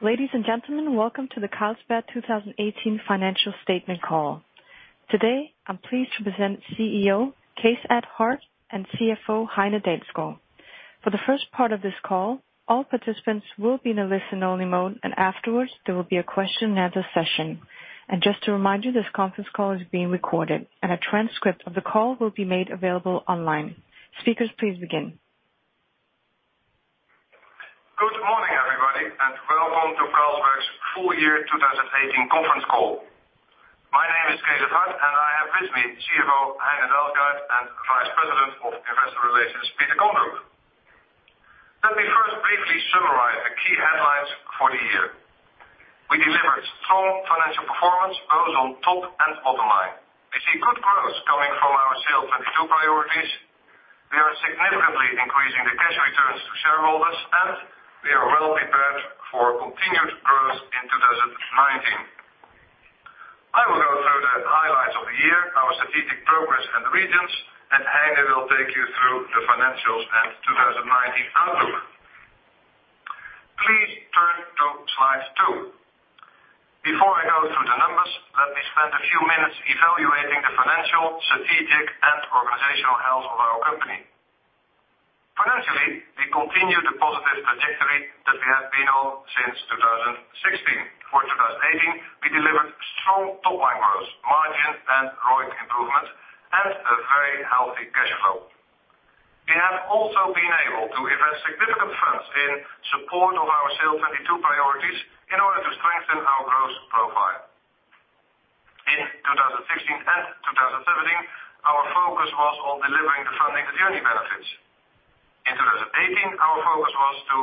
Ladies and gentlemen, welcome to the Carlsberg 2018 Financial Statement Call. Today, I'm pleased to present CEO Cees 't Hart and CFO Heine Dalsgaard. For the first part of this call, all participants will be in a listen-only mode. Afterwards, there will be a question-and-answer session. Just to remind you, this conference call is being recorded and a transcript of the call will be made available online. Speakers, please begin. Good morning, everybody, welcome to Carlsberg's Full Year 2018 Conference Call. My name is Cees 't Hart, and I have with me CFO Heine Dalsgaard and Vice President of Investor Relations, Peter Kondrup. Let me first briefly summarize the key headlines for the year. We delivered strong financial performance, both on top and bottom line. We see good growth coming from our SAIL'22 priorities. We are significantly increasing the cash returns to shareholders. We are well prepared for continued growth in 2019. I will go through the highlights of the year, our strategic progress and regions. Heine will take you through the financials and 2019 outlook. Please turn to slide two. Before I go through the numbers, let me spend a few minutes evaluating the financial, strategic, and organizational health of our company. Financially, we continue the positive trajectory that we have been on since 2016. For 2018, we delivered strong top-line growth, margin and ROIC improvement, and a very healthy cash flow. We have also been able to invest significant funds in support of our SAIL'22 priorities in order to strengthen our growth profile. In 2016 and 2017, our focus was on delivering the Funding the Journey benefits. In 2018, our focus was to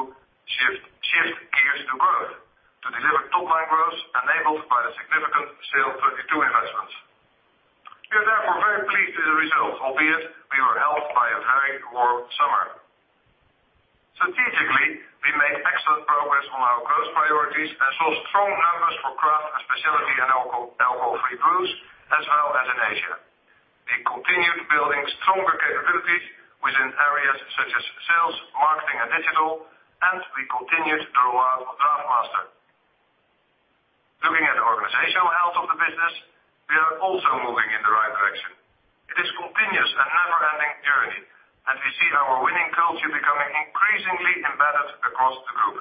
shift gears to growth to deliver top-line growth enabled by the significant SAIL'22 investments. We are therefore very pleased with the results, albeit we were helped by a very warm summer. Strategically, we made excellent progress on our growth priorities and saw strong numbers for craft, specialty, and alcohol-free brews, as well as in Asia. We continued building stronger capabilities within areas such as sales, marketing, and digital. We continued the rollout of DraughtMaster. Looking at the organizational health of the business, we are also moving in the right direction. It is a continuous and never-ending journey. We see our winning culture becoming increasingly embedded across the group.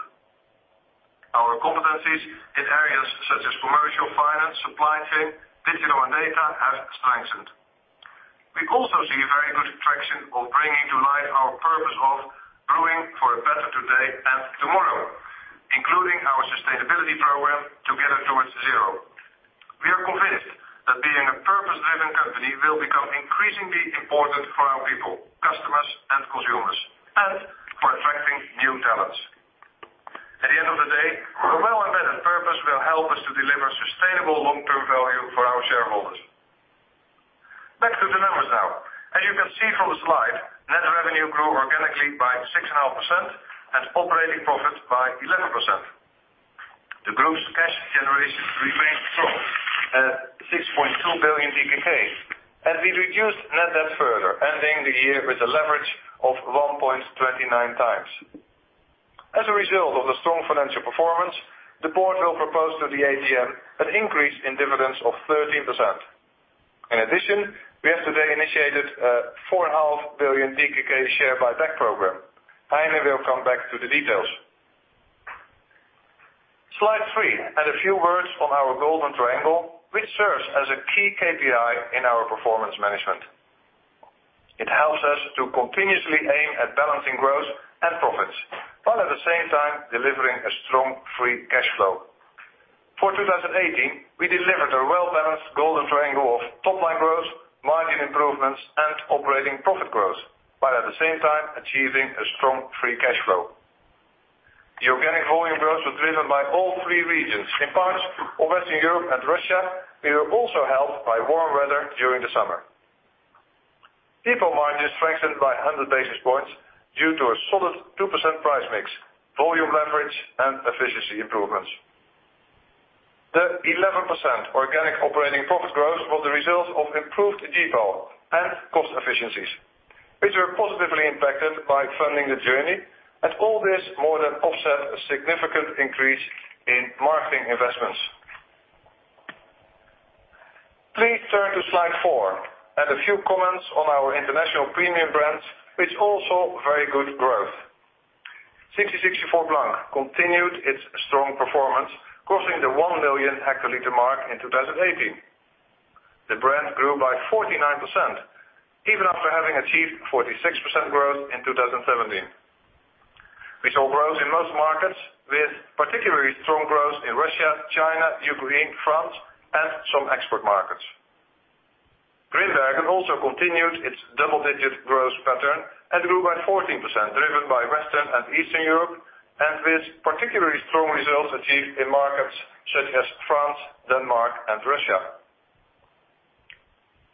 Our competencies in areas such as commercial, finance, supply chain, digital and data have strengthened. We also see very good traction of bringing to life our purpose of brewing for a better today and tomorrow, including our sustainability program, Together Towards Zero. We are convinced that being a purpose-driven company will become increasingly important for our people, customers, and consumers. For attracting new talents, at the end of the day, a well-embedded purpose will help us to deliver sustainable long-term value for our shareholders. Back to the numbers now. As you can see from the slide, net revenue grew organically by 6.5% and operating profit by 11%. The group's cash generation remained strong at 6.2 billion DKK, and we reduced net debt further, ending the year with a leverage of 1.29x. As a result of the strong financial performance, the board will propose to the AGM an increase in dividends of 13%. In addition, we have today initiated a 4.5 billion DKK share buyback program. Heine will come back to the details. Slide three, a few words on our Golden Triangle, which serves as a key KPI in our performance management. It helps us to continuously aim at balancing growth and profits, while at the same time delivering a strong free cash flow. For 2018, we delivered a well-balanced Golden Triangle of top-line growth, margin improvements, and operating profit growth, while at the same time achieving a strong free cash flow. The organic volume growth was driven by all three regions. In parts of Western Europe and Russia, we were also helped by warm weather during the summer. Gross margin strengthened by 100 basis points due to a solid 2% price mix, volume leverage, and efficiency improvements. The 11% organic operating profit growth was a result of improved Gross and cost efficiencies, which were positively impacted by Funding the Journey, and all this more than offset a significant increase in marketing investments. Please turn to slide four and a few comments on our international premium brands, which also very good growth. 1664 Blanc continued its strong performance, crossing the 1 million hectoliter mark in 2018. The brand grew by 49%, even after having achieved 46% growth in 2017. We saw growth in most markets, with particularly strong growth in Russia, China, Ukraine, France, and some export markets. Grimbergen also continued its double-digit growth pattern and grew by 14%, driven by Western and Eastern Europe, and with particularly strong results achieved in markets such as France, Denmark, and Russia.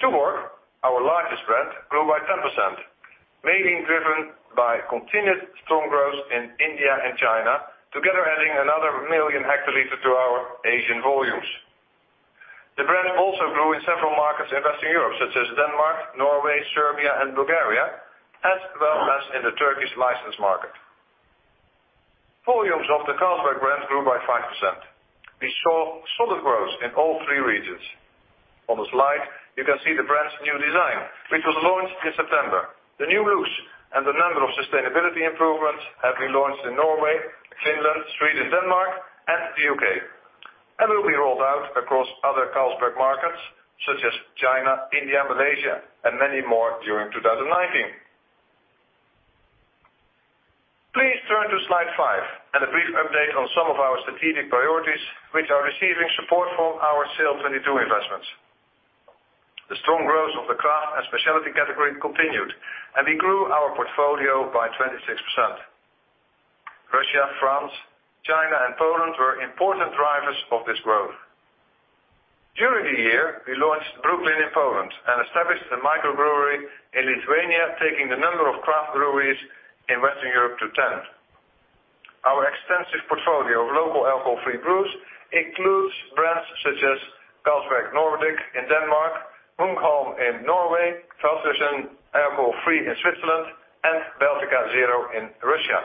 Tuborg, our largest brand, grew by 10%, mainly driven by continued strong growth in India and China, together adding another 1 million hectoliters to our Asian volumes. The brand also grew in several markets in Western Europe such as Denmark, Norway, Serbia, and Bulgaria, as well as in the Turkish license market. Volumes of the Carlsberg brand grew by 5%. We saw solid growth in all three regions. On the slide, you can see the brand's new design, which was launched in September. The new looks and a number of sustainability improvements have been launched in Norway, Finland, Sweden, Denmark, and the U.K., and will be rolled out across other Carlsberg markets such as China, India, Malaysia, and many more during 2019. Please turn to slide five and a brief update on some of our strategic priorities, which are receiving support from our SAIL'22 investments. The strong growth of the craft and specialty category continued, and we grew our portfolio by 26%. Russia, France, China, and Poland were important drivers of this growth. During the year, we launched Brooklyn in Poland and established a microbrewery in Lithuania, taking the number of craft breweries in Western Europe to 10. Our extensive portfolio of local alcohol-free brews includes brands such as Carlsberg Nordic in Denmark, Munkholm in Norway, Feldschlösschen Alcohol Free in Switzerland, and Baltika Zero in Russia.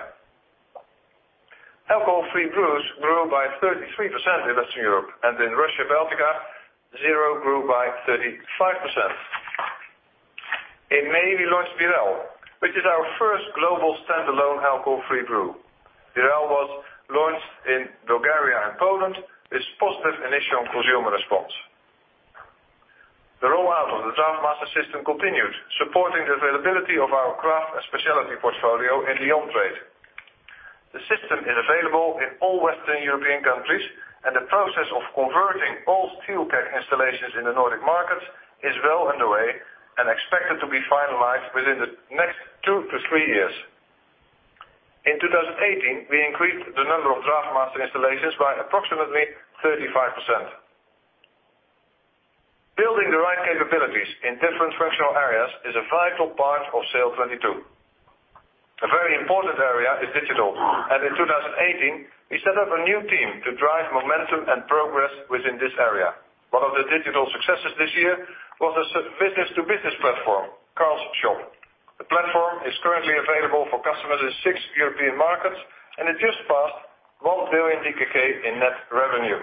Alcohol-free brews grew by 33% in Western Europe. In Russia, Baltika 0 grew by 35%. In May, we launched Birell, which is our first global standalone alcohol-free brew. Birell was launched in Bulgaria and Poland with positive initial consumer response. The rollout of the DraughtMaster system continued supporting the availability of our craft and specialty portfolio in the on-trade. The system is available in all Western European countries. The process of converting all steel keg installations in the Nordic markets is well underway and expected to be finalized within the next two to three years. In 2018, we increased the number of DraughtMaster installations by approximately 35%. Building the right capabilities in different functional areas is a vital part of SAIL'22. A very important area is digital. In 2018, we set up a new team to drive momentum and progress within this area. One of the digital successes this year was a business-to-business platform, Carl's Shop. The platform is currently available for customers in six European markets. It just passed 1 billion DKK in net revenue.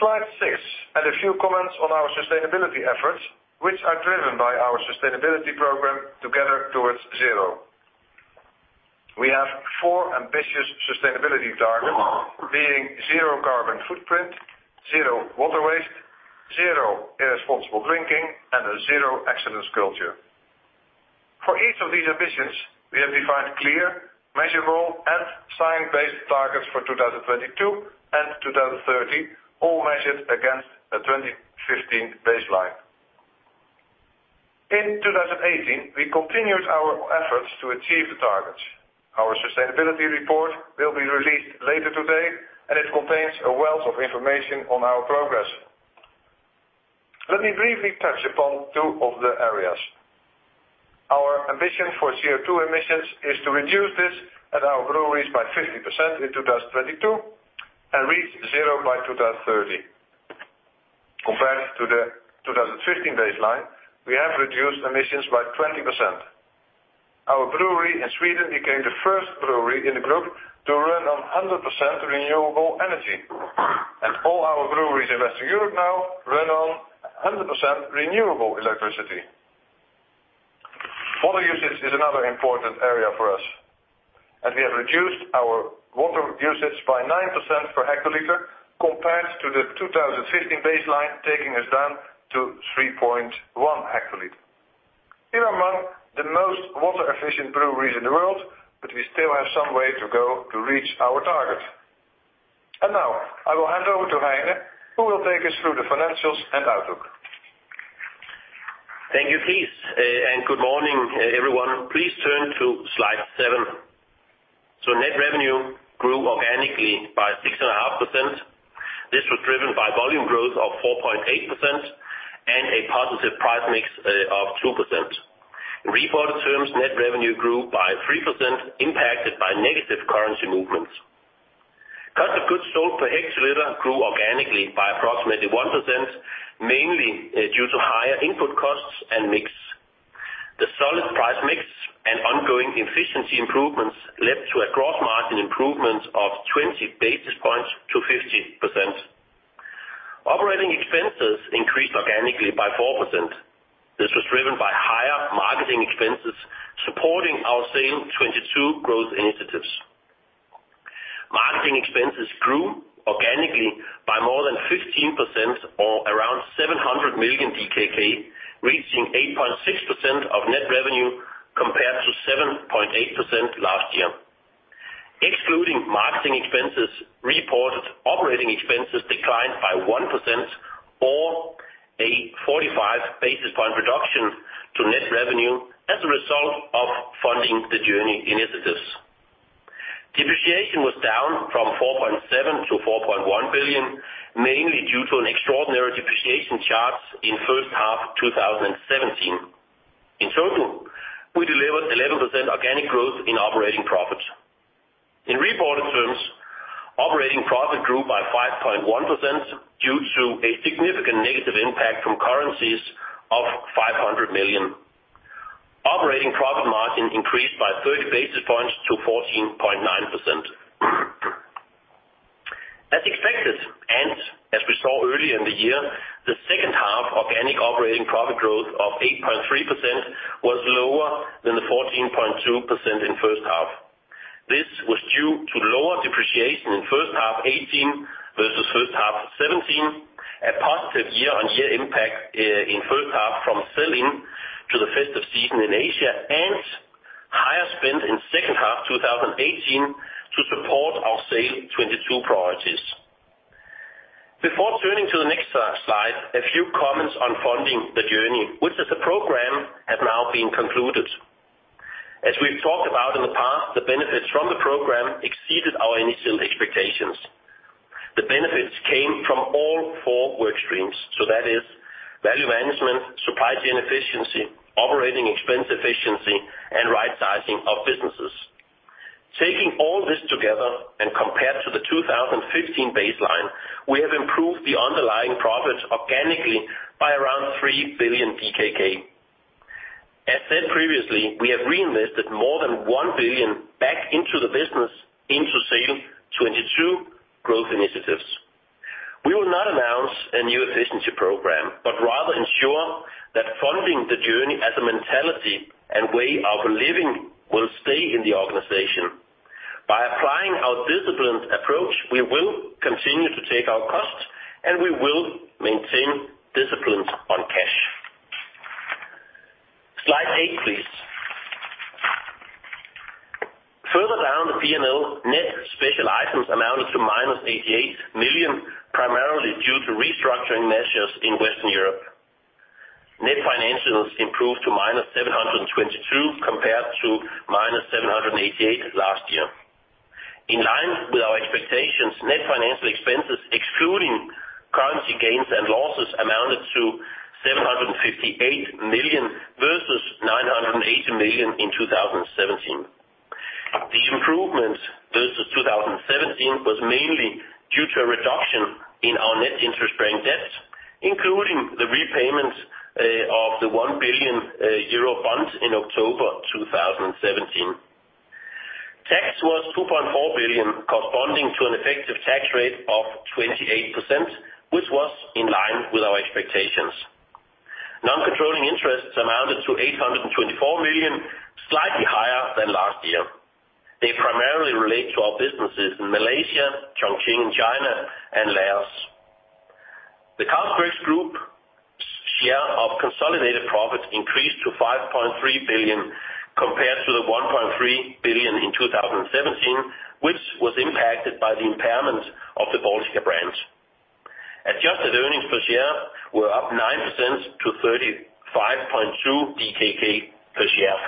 Slide six, a few comments on our sustainability efforts, which are driven by our sustainability program, Together Towards Zero. We have four ambitious sustainability targets being zero carbon footprint, zero water waste, zero irresponsible drinking, and a zero accidents culture. For each of these ambitions, we have defined clear, measurable, and science-based targets for 2022 and 2030, all measured against a 2015 baseline. In 2018, we continued our efforts to achieve the targets. Our sustainability report will be released later today. It contains a wealth of information on our progress. Let me briefly touch upon two of the areas. Our ambition for CO2 emissions is to reduce this at our breweries by 50% in 2022 and reach zero by 2030. Compared to the 2015 baseline, we have reduced emissions by 20%. Our brewery in Sweden became the first brewery in the group to run on 100% renewable energy. All our breweries in Western Europe now run on 100% renewable electricity. Water usage is another important area for us. We have reduced our water usage by 9% per hectoliter compared to the 2015 baseline, taking us down to 3.1 hectoliter. We are among the most water-efficient breweries in the world, but we still have some way to go to reach our target. Now I will hand over to Heine, who will take us through the financials and outlook. Thank you, Cees. Good morning, everyone. Please turn to Slide seven. Net revenue grew organically by 6.5%. This was driven by volume growth of 4.8% and a positive price mix of 2%. Reported terms net revenue grew by 3%, impacted by negative currency movements. Cost of goods sold per hectoliter grew organically by approximately 1%, mainly due to higher input costs and mix. The solid price mix and ongoing efficiency improvements led to a gross margin improvement of 20 basis points to 50%. Operating expenses increased organically by 4%. This was driven by higher marketing expenses supporting our SAIL'22 growth initiatives. Marketing expenses grew organically by more than 15% or around 700 million DKK, reaching 8.6% of net revenue compared to 7.8% last year. Excluding marketing expenses, reported operating expenses declined by 1% or a 45 basis point reduction to net revenue as a result of Funding the Journey initiatives. Depreciation was down from 4.7 billion to 4.1 billion, mainly due to an extraordinary depreciation charge in first half 2017. In total, delivered 11% organic growth in operating profit. In reported terms, operating profit grew by 5.1% due to a significant negative impact from currencies of 500 million. Operating profit margin increased by 30 basis points to 14.9%. As expected, and as we saw earlier in the year, the second half organic operating profit growth of 8.3% was lower than the 14.2% in first half. This was due to lower depreciation in first half 2018 versus first half 2017, a positive year-over-year impact in first half from sell-in to the festive season in Asia, and higher spend in second half 2018 to support our SAIL'22 priorities. Before turning to the next slide, a few comments on Funding the Journey, which is a program, has now been concluded. As we've talked about in the past, the benefits from the program exceeded our initial expectations. The benefits came from all four work streams. That is value management, supply chain efficiency, OpEx efficiency, and right sizing of businesses. Taking all this together and compared to the 2015 baseline, we have improved the underlying profits organically by around 3 billion DKK. As said previously, we have reinvested more than 1 billion back into the business into SAIL'22 growth initiatives. We will not announce a new efficiency program, but rather ensure that Funding the Journey as a mentality and way of living will stay in the organization. By applying our disciplined approach, we will continue to take our costs and we will maintain discipline on cash. Slide eight, please. Further down the P&L, net special items amounted to -88 million, primarily due to restructuring measures in Western Europe. Net financials improved to -722 million compared to -788 million last year. In line with our expectations, net financial expenses, excluding currency gains and losses, amounted to 758 million versus 980 million in 2017. The improvement versus 2017 was mainly due to a reduction in our net interest-bearing debt, including the repayment of the 1 billion euro bond in October 2017. Tax was 2.4 billion, corresponding to an effective tax rate of 28%, which was in line with our expectations. Non-controlling interests amounted to 824 million, slightly higher than last year. They primarily relate to our businesses in Malaysia, Chongqing in China, and Laos. The Carlsberg Group's share of consolidated profits increased to 5.3 billion compared to 1.3 billion in 2017, which was impacted by the impairment of the Baltika brands. Adjusted earnings per share were up 9% to 35.2 DKK per share.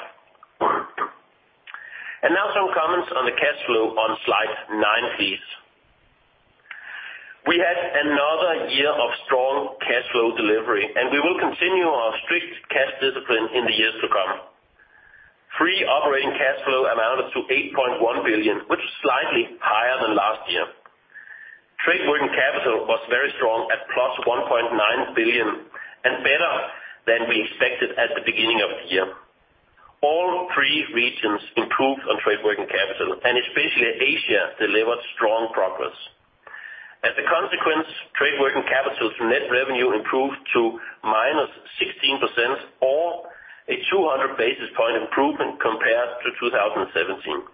Now some comments on the cash flow on slide nine, please. We had another year of strong cash flow delivery, and we will continue our strict cash discipline in the years to come. Free operating cash flow amounted to 8.1 billion, which was slightly higher than last year. Trade working capital was very strong at +1.9 billion and better than we expected at the beginning of the year. All three regions improved on trade working capital, and especially Asia delivered strong progress. As a consequence, trade working capital from net revenue improved to -16% or a 200 basis point improvement compared to 2017.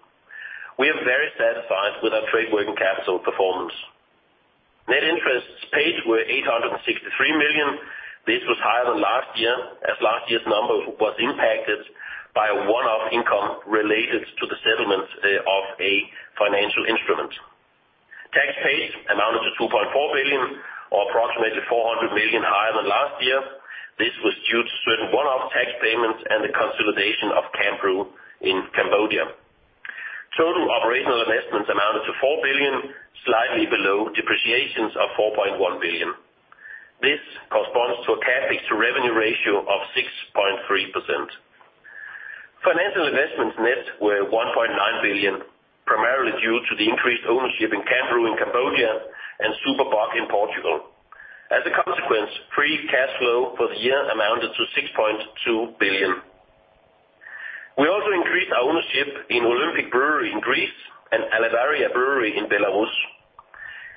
We are very satisfied with our trade working capital performance. Net interests paid were 863 million. This was higher than last year, as last year's number was impacted by a one-off income related to the settlement of a financial instrument. Tax paid amounted to 2.4 billion or approximately 400 million higher than last year. This was due to certain one-off tax payments and the consolidation of Cambrew in Cambodia. Total operational investments amounted to 4 billion, slightly below depreciations of 4.1 billion. This corresponds to a CapEx to revenue ratio of 6.3%. Financial investments net were 1.9 billion, primarily due to the increased ownership in Cambrew in Cambodia and Super Bock in Portugal. As a consequence, free cash flow for the year amounted to 6.2 billion. We also increased our ownership in Olympic Brewery in Greece and Alivaria Brewery in Belarus.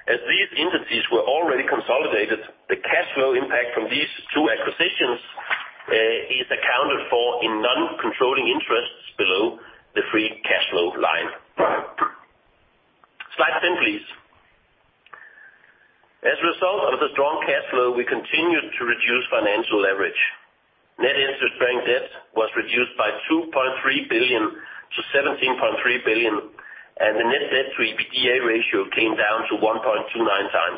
As these entities were already consolidated, the cash flow impact from these two acquisitions is accounted for in non-controlling interests below the free cash flow line. Slide 10, please. As a result of the strong cash flow, we continued to reduce financial leverage. Net interest-bearing debt was reduced by 2.3 billion to 17.3 billion, and the net debt to EBITDA ratio came down to 1.29x.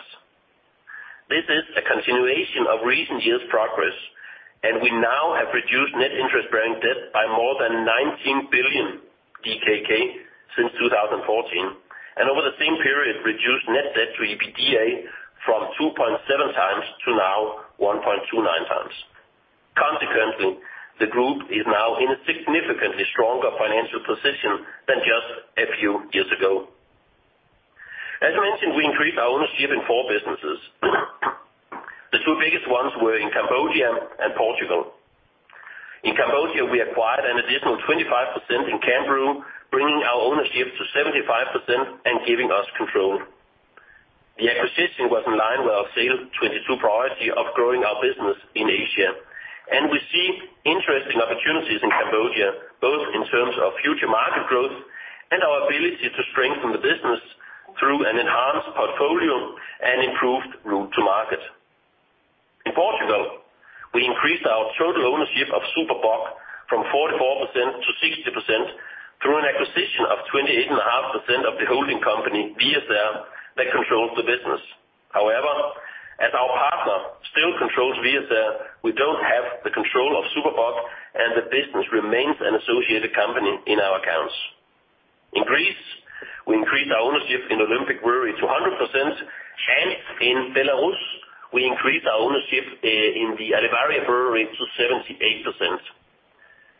This is a continuation of recent years' progress, and we now have reduced net interest-bearing debt by more than 19 billion DKK since 2014, and over the same period, reduced net debt to EBITDA from 2.7x to now 1.29x. Consequently, the group is now in a significantly stronger financial position than just a few years ago. As mentioned, we increased our ownership in four businesses. The two biggest ones were in Cambodia and Portugal. In Cambodia, we acquired an additional 25% in Cambrew, bringing our ownership to 75% and giving us control. The acquisition was in line with our SAIL'22 priority of growing our business in Asia, and we see interesting opportunities in Cambodia, both in terms of future market growth and our ability to strengthen the business through an enhanced portfolio and improved route to market. In Portugal, we increased our total ownership of Super Bock from 44% to 60% through an acquisition of 28.5% of the holding company, Viacer, that controls the business. However, as our partner still controls Viacer, we don't have the control of Super Bock, and the business remains an associated company in our accounts. In Greece, we increased our ownership in Olympic Brewery to 100%, and in Belarus, we increased our ownership in the Alivaria Brewery to 78%.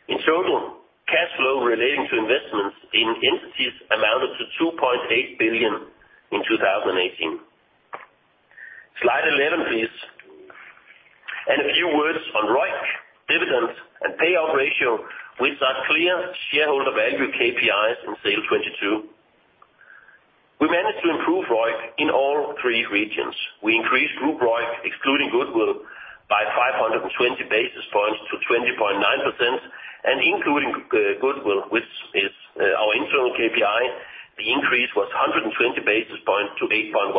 In total, cash flow relating to investments in entities amounted to 2.8 billion in 2018. Slide 11, please. A few words on ROIC, dividends, and payout ratio, which are clear shareholder value KPIs in SAIL'22. We managed to improve ROIC in all three regions. We increased group ROIC excluding goodwill by 520 basis points to 20.9%, and including goodwill, which is our internal KPI, the increase was 120 basis points to 8.1%.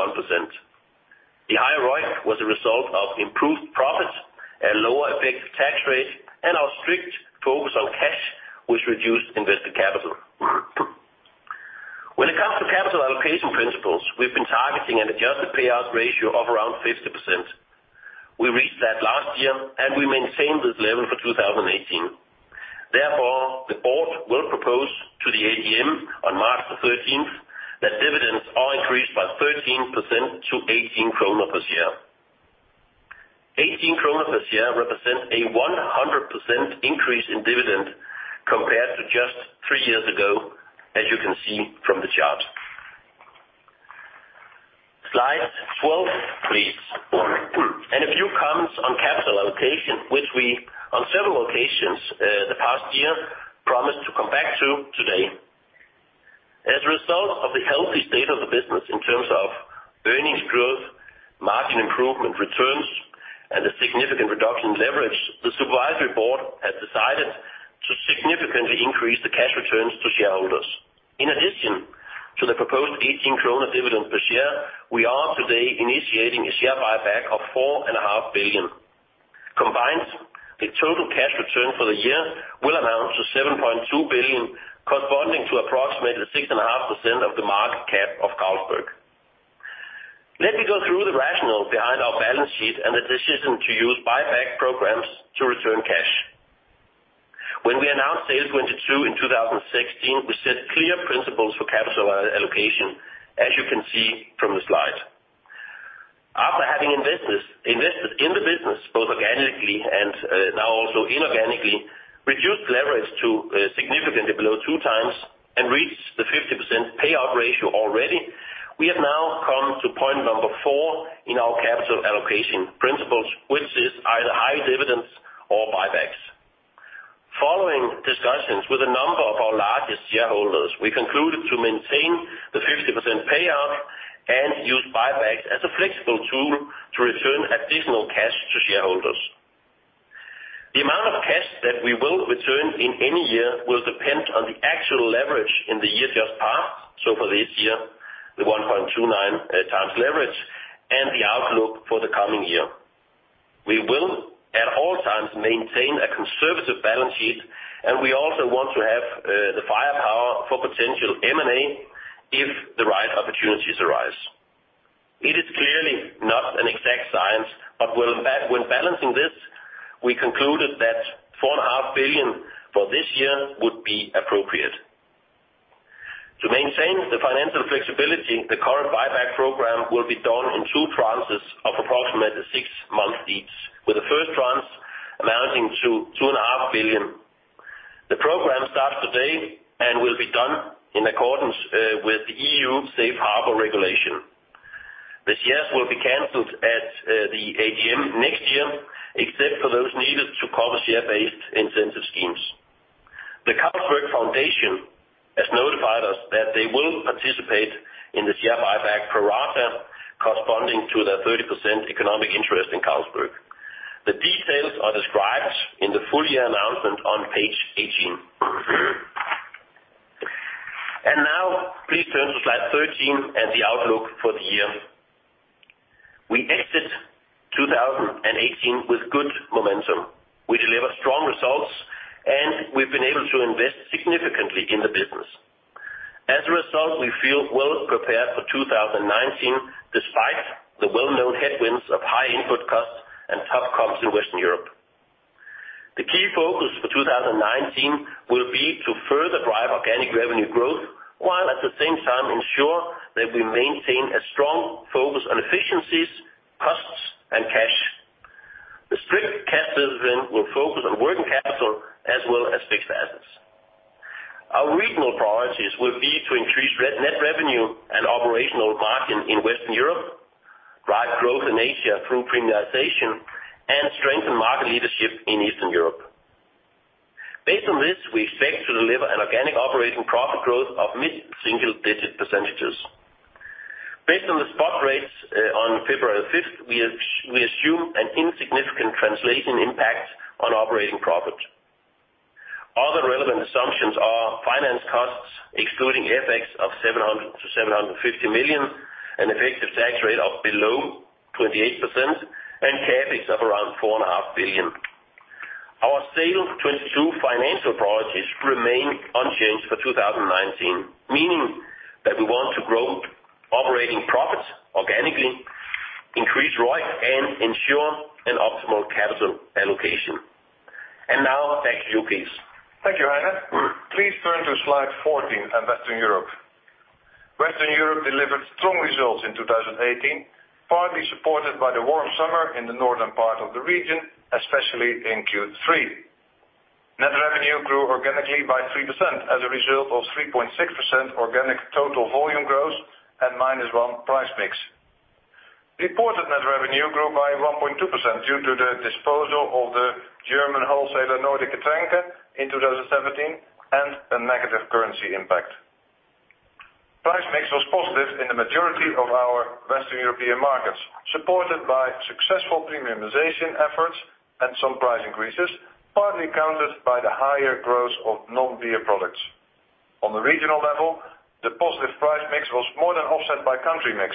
The higher ROIC was a result of improved profits and lower effective tax rate, and our strict focus on cash, which reduced invested capital. When it comes to capital allocation principles, we've been targeting an adjusted payout ratio of around 50%. We reached that last year, and we maintain this level for 2018. Therefore, the board will propose to the AGM on March 13th that dividends are increased by 13% to 18 kroner per share. 18 kroner per share represents a 100% increase in dividend compared to just three years ago, as you can see from the chart. Slide 12, please. A few comments on capital allocation, which we, on several occasions the past year, promised to come back to today. As a result of the healthy state of the business in terms of earnings growth, margin improvement returns, and a significant reduction in leverage, the supervisory board has decided to significantly increase the cash returns to shareholders. In addition to the proposed 18 krone dividend per share, we are today initiating a share buyback of 4.5 billion. Combined, the total cash return for the year will amount to 7.2 billion, corresponding to approximately 6.5% of the market cap of Carlsberg. Let me go through the rationale behind our balance sheet and the decision to use buyback programs to return cash. When we announced SAIL'22 in 2016, we set clear principles for capital allocation, as you can see from the slide. After having invested in the business, both organically and now also inorganically, reduced leverage to significantly below 2x, and reached the 50% payout ratio already, we have now come to point number four in our capital allocation principles, which is either high dividends or buybacks. Following discussions with a number of our largest shareholders, we concluded to maintain the 50% payout and use buybacks as a flexible tool to return additional cash to shareholders. The amount of cash that we will return in any year will depend on the actual leverage in the year just passed, so for this year, the 1.29x leverage, and the outlook for the coming year. We will at all times maintain a conservative balance sheet, and we also want to have the firepower for potential M&A if the right opportunities arise. It is clearly not an exact science, but when balancing this, we concluded that 4.5 billion for this year would be appropriate. To maintain the financial flexibility, the current buyback program will be done in two tranches of approximately six months each, with the first tranche amounting to 2.5 billion. The program starts today and will be done in accordance with the EU Safe Harbor regulation. The shares will be canceled at the AGM next year, except for those needed to cover share-based incentive schemes. The Carlsberg Foundation has notified us that they will participate in the share buyback pro rata corresponding to their 30% economic interest in Carlsberg. The details are described in the full year announcement on page 18. Now please turn to slide 13 and the outlook for the year. We exit 2018 with good momentum. We deliver strong results, and we've been able to invest significantly in the business. As a result, we feel well prepared for 2019 despite the well-known headwinds of high input costs and tough comps in Western Europe. The key focus for 2019 will be to further drive organic revenue growth, while at the same time ensure that we maintain a strong focus on efficiencies, costs, and cash. The strict cash discipline will focus on working capital as well as fixed assets. Our regional priorities will be to increase net revenue and operational margin in Western Europe, drive growth in Asia through premiumisation, and strengthen market leadership in Eastern Europe. Based on this, we expect to deliver an organic operating profit growth of mid-single digit %. Based on the spot rates on February 5th, we assume an insignificant translation impact on operating profit. Other relevant assumptions are finance costs excluding FX of 700 million to 750 million, an effective tax rate of below 28%, and CapEx of around 4.5 billion. Our SAIL'22 financial priorities remain unchanged for 2019, meaning that we want to grow operating profits organically, increase ROIC, and ensure an optimal capital allocation. Now, back to you, Cees. Thank you, Heine. Please turn to slide 14 on Western Europe. Western Europe delivered strong results in 2018, partly supported by the warm summer in the northern part of the region, especially in Q3. Net revenue grew organically by 3% as a result of 3.6% organic total volume growth and -1 price mix. Reported net revenue grew by 1.2% due to the disposal of the German wholesaler Nordische Treuhand in 2017 and a negative currency impact. Price mix was positive in the majority of our Western European markets, supported by successful premiumization efforts and some price increases, partly countered by the higher growth of non-beer products. On the regional level, the positive price mix was more than offset by country mix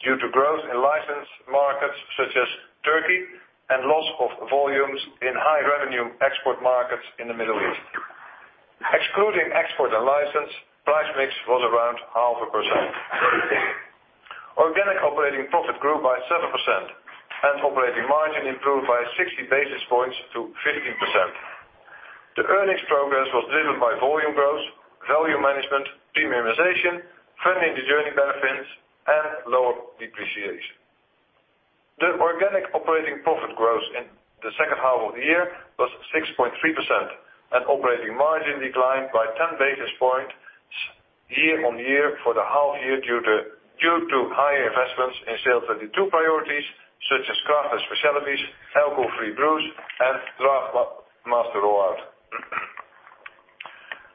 due to growth in licensed markets such as Turkey and loss of volumes in high-revenue export markets in the Middle East. Excluding export and license, price mix was around half a percent. Organic operating profit grew by 7% and operating margin improved by 60 basis points to 15%. The earnings progress was driven by volume growth, value management, premiumization, friendly phasing benefits, and lower depreciation. The organic operating profit growth in the second half of the year was 6.3% and operating margin declined by 10 basis points year-on-year for the half-year due to higher investments in SAIL'22 priorities such as craft and specialties, alcohol-free brews, and DraughtMaster.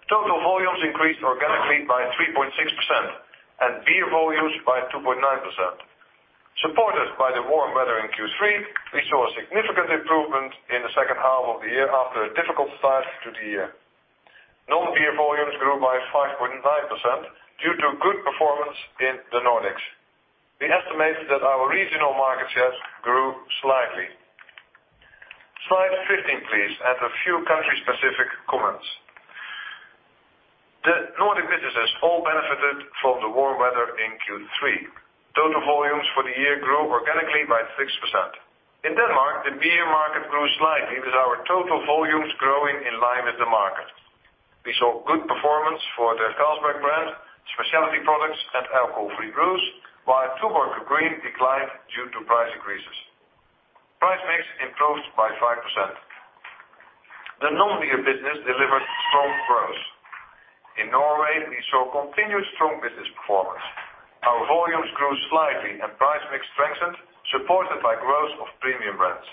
Total volumes increased organically by 3.6% and beer volumes by 2.9%. Supported by the warm weather in Q3, we saw a significant improvement in the second half of the year after a difficult start to the year. Non-beer volumes grew by 5.9% due to good performance in the Nordics. We estimate that our regional market share grew slightly. Slide 15, please. A few country-specific comments. The Nordic businesses all benefited from the warm weather in Q3. Total volumes for the year grew organically by 6%. In Denmark, the beer market grew slightly with our total volumes growing in line with the market. We saw good performance for the Carlsberg brand, specialty products, and alcohol-free brews, while Tuborg Green declined due to price increases. Price mix improved by 5%. The non-beer business delivered strong growth. In Norway, we saw continued strong business performance. Our volumes grew slightly and price mix strengthened, supported by growth of premium brands.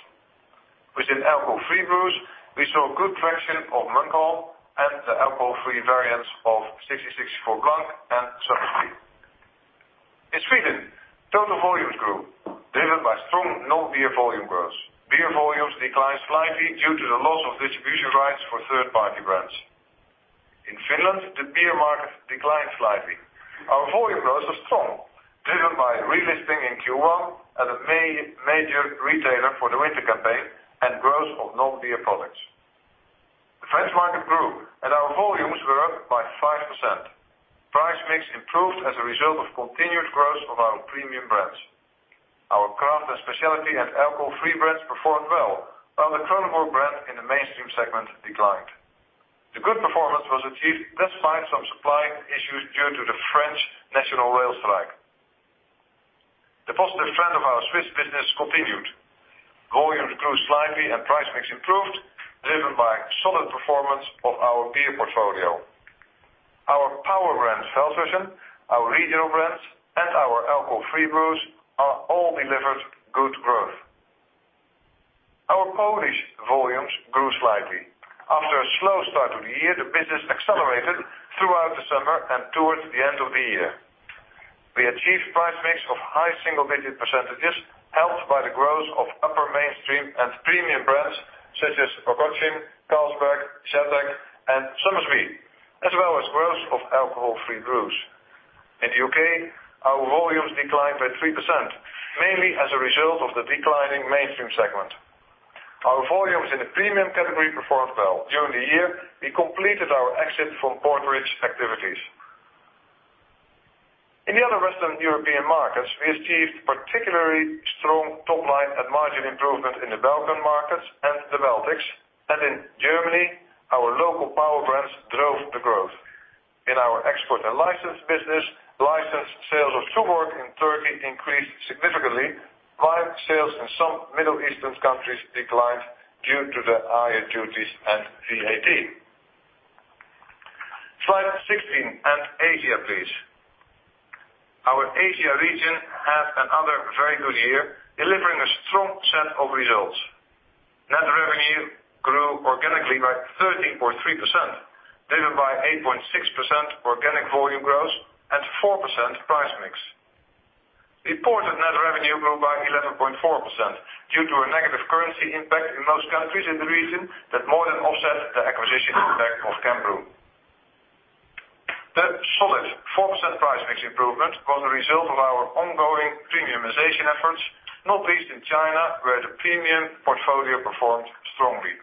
Within alcohol-free brews, we saw good traction of Munkholm and the alcohol-free variants of 1664 Blanc and Somersby. In Sweden, total volumes grew, driven by strong non-beer volume growth. Beer volumes declined slightly due to the loss of distribution rights for third-party brands. In Finland, the beer market declined slightly. Our volume growth was strong, driven by relisting in Q1 at a major retailer for the winter campaign and growth of non-beer products. The French market grew, and our volumes were up by 5%. Price mix improved as a result of continued growth of our premium brands. Our craft and specialty and alcohol-free brands performed well, while the Kronenbourg brand in the mainstream segment declined. The good performance was achieved despite some supply issues due to the French national rail strike. The positive trend of our Swiss business continued. Volumes grew slightly and price mix improved, driven by solid performance of our beer portfolio. Our power brand, Feldschlösschen, our regional brands, and our alcohol-free brews are all delivered good growth. Our Polish volumes grew slightly. After a slow start of the year, the business accelerated throughout the summer and towards the end of the year. We achieved price mix of high single-digit percentages helped by the growth of upper mainstream and premium brands such as Perła, Carlsberg, Żywiec, and Somersby, as well as growth of alcohol-free brews. In the U.K., our volumes declined by 3%, mainly as a result of the declining mainstream segment. Our volumes in the premium category performed well. During the year, we completed our exit from porterage activities. In the other Western European markets, we achieved particularly strong top-line and margin improvement in the Belgium markets and the Baltics. In Germany, our local power brands drove the growth. In our export and license business, license sales of Tuborg in Turkey increased significantly, while sales in some Middle Eastern countries declined due to the higher duties and VAT. Slide 16 and Asia, please. Our Asia region had another very good year, delivering a strong set of results. Net revenue grew organically by 13.3%, driven by 8.6% organic volume growth and 4% price mix. Reported net revenue grew by 11.4% due to a negative currency impact in most countries in the region that more than offset the acquisition impact of Cambrew. The solid 4% price mix improvement was a result of our ongoing premiumization efforts, not least in China, where the premium portfolio performed strongly.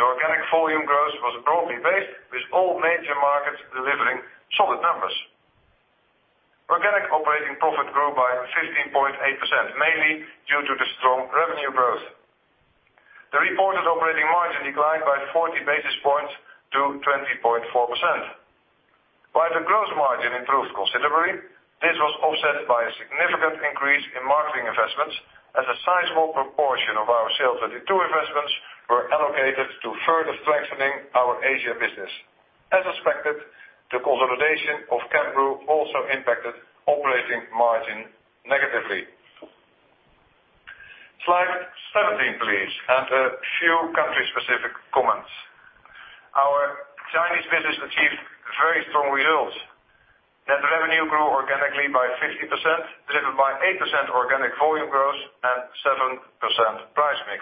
The organic volume growth was broadly based, with all major markets delivering solid numbers. Organic operating profit grew by 15.8%, mainly due to the strong revenue growth. The reported operating margin declined by 40 basis points to 20.4%. While the gross margin improved considerably, this was offset by a significant increase in marketing investments as a sizable proportion of our SAIL'22 investments were allocated to further strengthening our Asia business. As expected, the consolidation of Cambrew also impacted operating margin negatively. Slide 17, please, and a few country-specific comments. Our Chinese business achieved very strong results. Net revenue grew organically by 50%, driven by 8% organic volume growth and 7% price mix.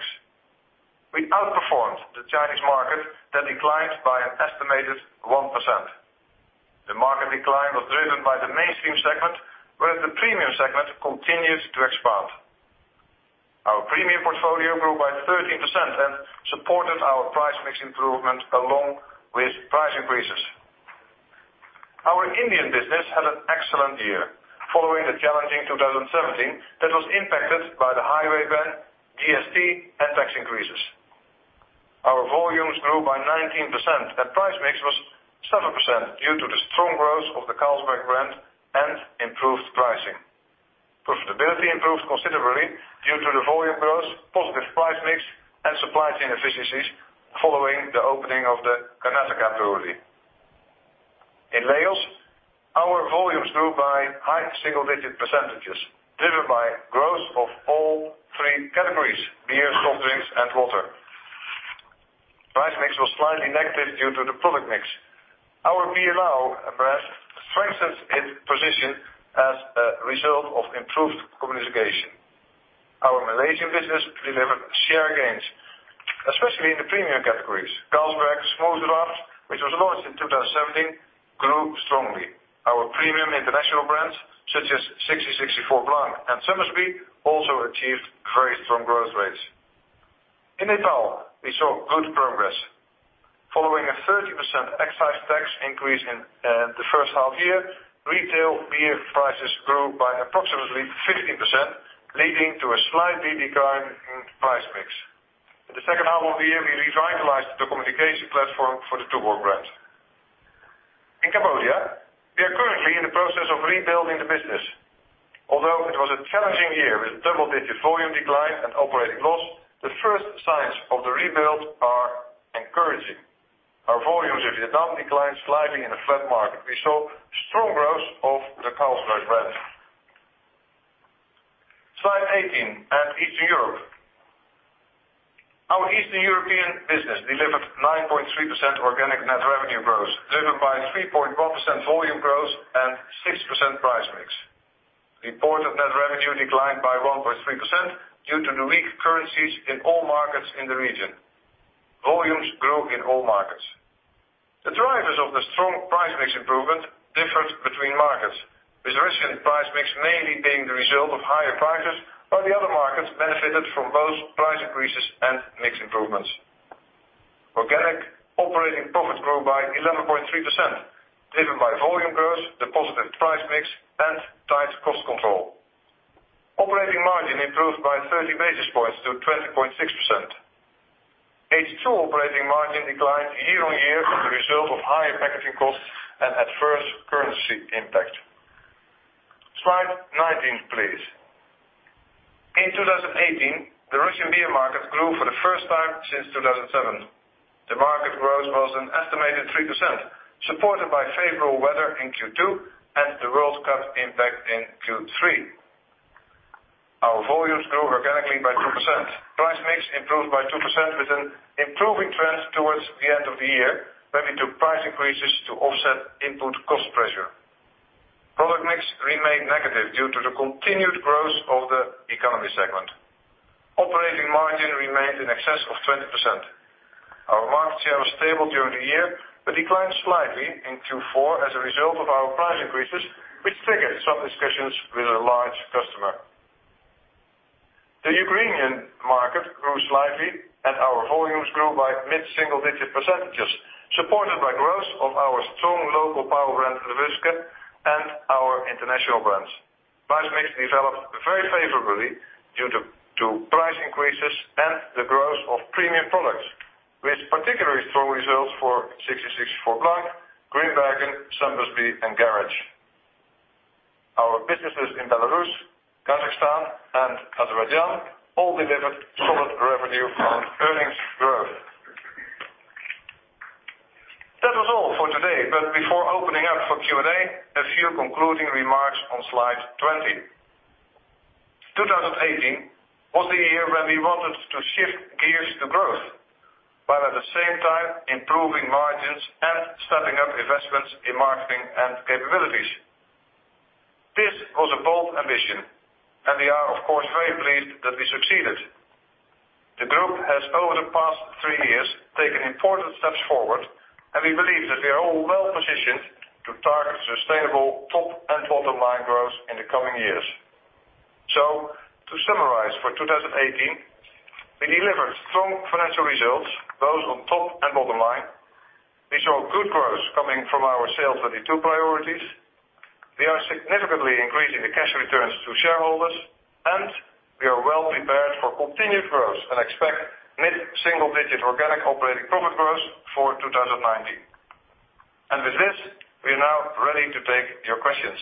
We outperformed the Chinese market that declined by an estimated 1%. The market decline was driven by the mainstream segment, whereas the premium segment continued to expand. Our premium portfolio grew by 13% and supported our price mix improvement along with price increases. Our Indian business had an excellent year following a challenging 2017 that was impacted by the highway ban, GST, and tax increases. Our volumes grew by 19%, and price mix was 7% due to the strong growth of the Carlsberg brand and improved pricing. Profitability improved considerably due to the volume growth, positive price mix, and supply chain efficiencies following the opening of the Karnataka brewery. In Laos, our volumes grew by high single-digit percentages, driven by growth of all three categories: beer, soft drinks, and water. Price mix was slightly negative due to the product mix. Our Beerlao brand strengthened its position as a result of improved communication. Our Malaysian business delivered share gains, especially in the premium categories. Carlsberg Smooth Draught, which was launched in 2017, grew strongly. Our premium international brands such as 1664 Blanc and Somersby also achieved very strong growth rates. In Nepal, we saw good progress. Following a 30% excise tax increase in the first half year, retail beer prices grew by approximately 15%, leading to a slight decline in price mix. In the second half of the year, we revitalized the communication platform for the Tuborg brand. In Cambodia, we are currently in the process of rebuilding the business. Although it was a challenging year with double-digit volume decline and operating loss, the first signs of the rebuild are encouraging. Our volumes in Vietnam declined slightly in a flat market. We saw strong growth of the Carlsberg brands. Slide 18 at Eastern Europe. Our Eastern European business delivered 9.3% organic net revenue growth, driven by 3.1% volume growth and 6% price mix. Reported net revenue declined by 1.3% due to the weak currencies in all markets in the region. Volumes grew in all markets. The drivers of the strong price mix improvement differed between markets, with Russian price mix mainly being the result of higher prices, while the other markets benefited from both price increases and mix improvements. Organic operating profit grew by 11.3%, driven by volume growth, the positive price mix, and tight cost control. Operating margin improved by 30 basis points to 20.6%. H2 operating margin declined year-over-year as a result of higher packaging costs and adverse currency impact. Slide 19, please. In 2018, the Russian beer market grew for the first time since 2007. The market growth was an estimated 3%, supported by favorable weather in Q2 and the World Cup impact in Q3. Our volumes grew organically by 2%. Price mix improved by 2% with an improving trend towards the end of the year, where we took price increases to offset input cost pressure. Product mix remained negative due to the continued growth of the economy segment. Operating margin remained in excess of 20%. Our market share was stable during the year, but declined slightly in Q4 as a result of our price increases, which triggered some discussions with a large customer. The Ukrainian market grew slightly, our volumes grew by mid-single digit %, supported by growth of our strong local power brand, Lvivske, and our international brands. Price mix developed very favorably due to price increases and the growth of premium products, with particularly strong results for 1664 Blanc, Grimbergen, Somersby, and Garage. Our businesses in Belarus, Kazakhstan, and Azerbaijan all delivered solid revenue and earnings growth. That was all for today, before opening up for Q&A, a few concluding remarks on slide 20. 2018 was a year when we wanted to shift gears to growth, while at the same time improving margins and stepping up investments in marketing and capabilities. This was a bold ambition, we are of course, very pleased that we succeeded. The group has, over the past three years, taken important steps forward. We believe that we are all well-positioned to target sustainable top and bottom line growth in the coming years. To summarize, for 2018, we delivered strong financial results, both on top and bottom line. We saw good growth coming from our SAIL'22 priorities. We are significantly increasing the cash returns to shareholders. We are well prepared for continued growth and expect mid-single digit organic operating profit growth for 2019. With this, we are now ready to take your questions.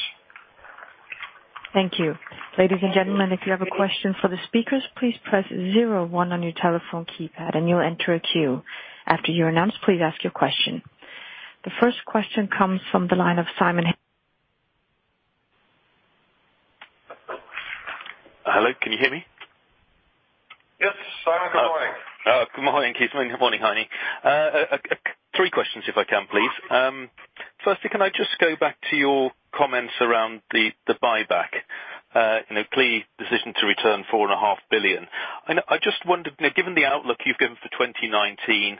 Thank you. Ladies and gentlemen, if you have a question for the speakers, please press zero one on your telephone keypad. You will enter a queue. After you are announced, please ask your question. The first question comes from the line of Simon Hales from Citi. Hello, can you hear me? Yes, Simon. Good morning. Good morning. Good morning, Heine. Three questions, if I can please. Of course. Can I just go back to your comments around the buyback? Clearly, decision to return four and a half billion. I just wondered, given the outlook you've given for 2019,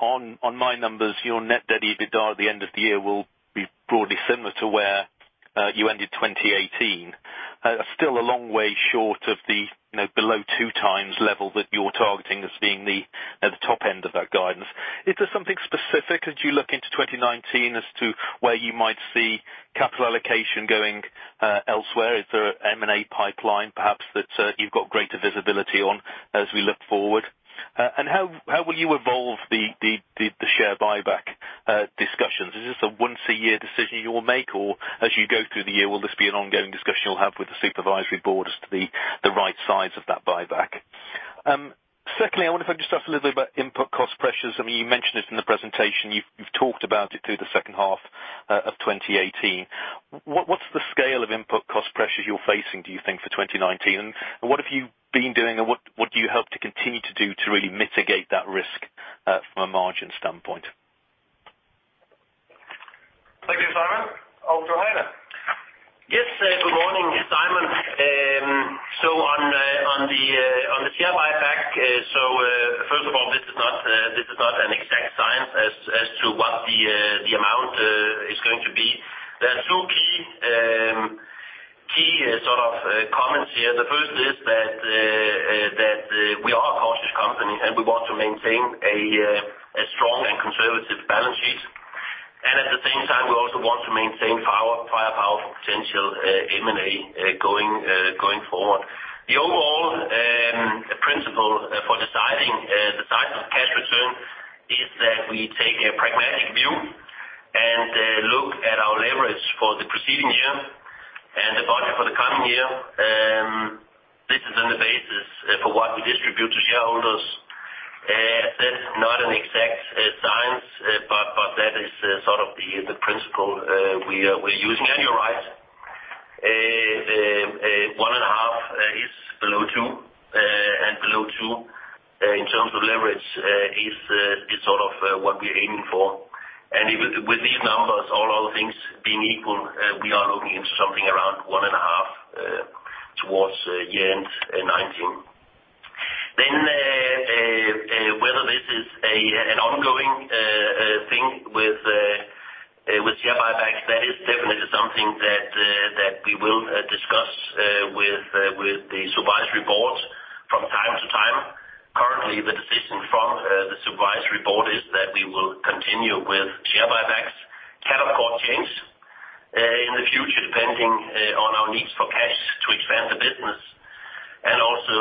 on my numbers, your net debt EBITDA at the end of the year will be broadly similar to where you ended 2018. Still a long way short of the below 2x level that you're targeting as being the top end of that guidance. Is there something specific as you look into 2019 as to where you might see capital allocation going elsewhere? Is there an M&A pipeline perhaps that you've got greater visibility on as we look forward? How will you evolve the share buyback discussions? Is this a once a year decision you will make, or as you go through the year, will this be an ongoing discussion you'll have with the supervisory board as to the right size of that buyback? I wonder if I can just ask a little bit about input cost pressures. You mentioned it in the presentation. You've talked about it through the second half of 2018. What's the scale of input cost pressures you're facing, do you think, for 2019? What have you been doing, and what do you hope to continue to do to really mitigate that risk from a margin standpoint? Thank you, Simon. Over to Heine. Yes, good morning, Simon. On the share buyback, first of all, this is not an exact science as to what the amount is going to be. There are two key sort of comments here. The first is that we are a cautious company, and we want to maintain a strong and conservative balance sheet. At the same time, we also want to maintain firepower for potential M&A going forward. The overall principle for deciding the size of cash return is that we take a pragmatic view and look at our leverage for the preceding year and the budget for the coming year. This is on the basis for what we distribute to shareholders. That's not an exact science, but that is sort of the principle we're using. You're right. 1.5 is below 2, Below 2 in terms of leverage is sort of what we're aiming for. With these numbers, all other things being equal, we are looking into something around 1.5 towards year-end 2019. Whether this is an ongoing thing with share buybacks, that is definitely something that we will discuss with the supervisory board from time to time. Currently, the decision from the supervisory board is that we will continue with share buybacks. It can of course change in the future depending on our needs for cash to expand the business, and also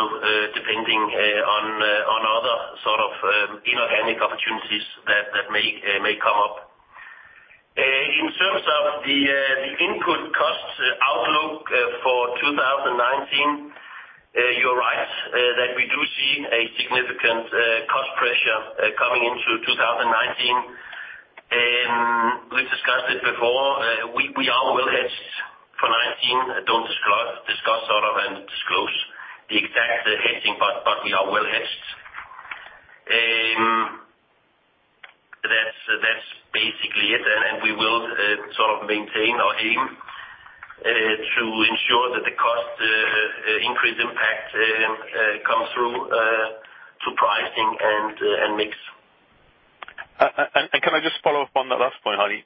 depending on other sort of inorganic opportunities that may come up. In terms of the input cost outlook for 2019, you're right that we do see a significant cost pressure coming into 2019. We've discussed it before. We are well hedged for 2019. Don't discuss sort of, and disclose the exact hedging, but we are well hedged. Maintain our aim to ensure that the cost increase impact comes through to pricing and mix. Can I just follow up on that last point, Heine?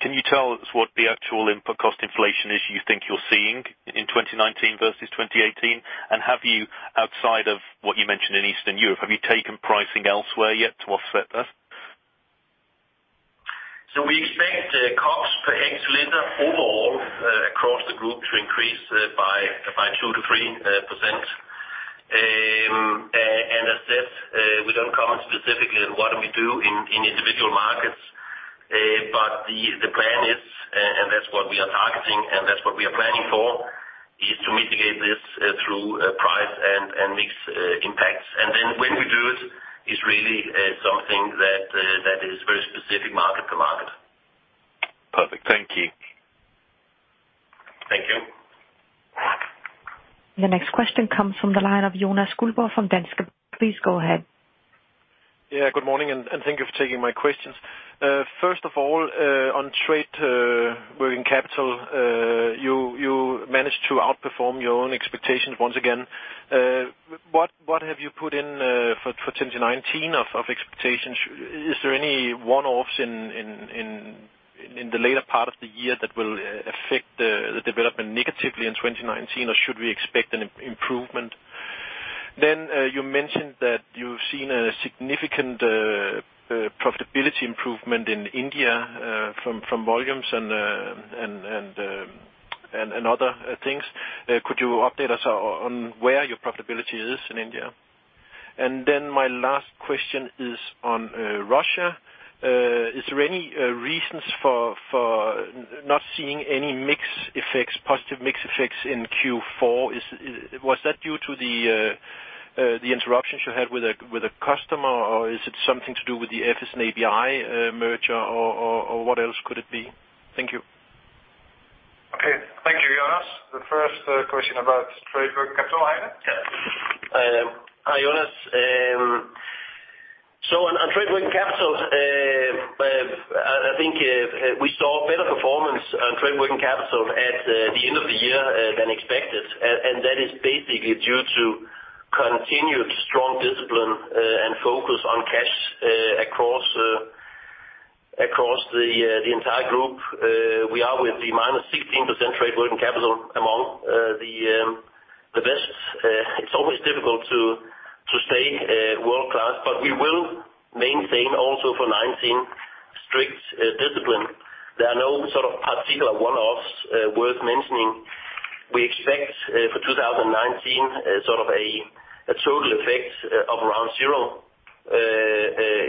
Can you tell us what the actual input cost inflation is you think you're seeing in 2019 versus 2018? Have you, outside of what you mentioned in Eastern Europe, have you taken pricing elsewhere yet to offset that? We expect cost per hectoliter overall across the group to increase by 2%-3%. As said, we don't comment specifically on what we do in individual markets. The plan is, and that's what we are targeting, and that's what we are planning for, is to mitigate this through price and mix impacts. When we do it is really something that is very specific market to market. Perfect. Thank you. Thank you. The next question comes from the line of Jonas Guldborg from Danske Bank. Please go ahead. Yeah, good morning, thank you for taking my questions. First of all, on trade working capital, you managed to outperform your own expectations once again. What have you put in for 2019 of expectations? Is there any one-offs in the later part of the year that will affect the development negatively in 2019, or should we expect an improvement? You mentioned that you've seen a significant profitability improvement in India from volumes and other things. Could you update us on where your profitability is in India? My last question is on Russia. Is there any reasons for not seeing any positive mix effects in Q4? Was that due to the interruptions you had with a customer, or is it something to do with the Efes and ABI merger, or what else could it be? Thank you. Okay. Thank you, Jonas. The first question about trade working capital, Heine? Hi, Jonas. On trade working capital, I think we saw a better performance on trade working capital at the end of the year than expected, that is basically due to continued strong discipline and focus on cash across the entire group. We are with the -16% trade working capital among the best. It's always difficult to stay world-class, we will maintain also for 2019 strict discipline. There are no sort of particular one-offs worth mentioning. We expect for 2019 sort of a total effect of around zero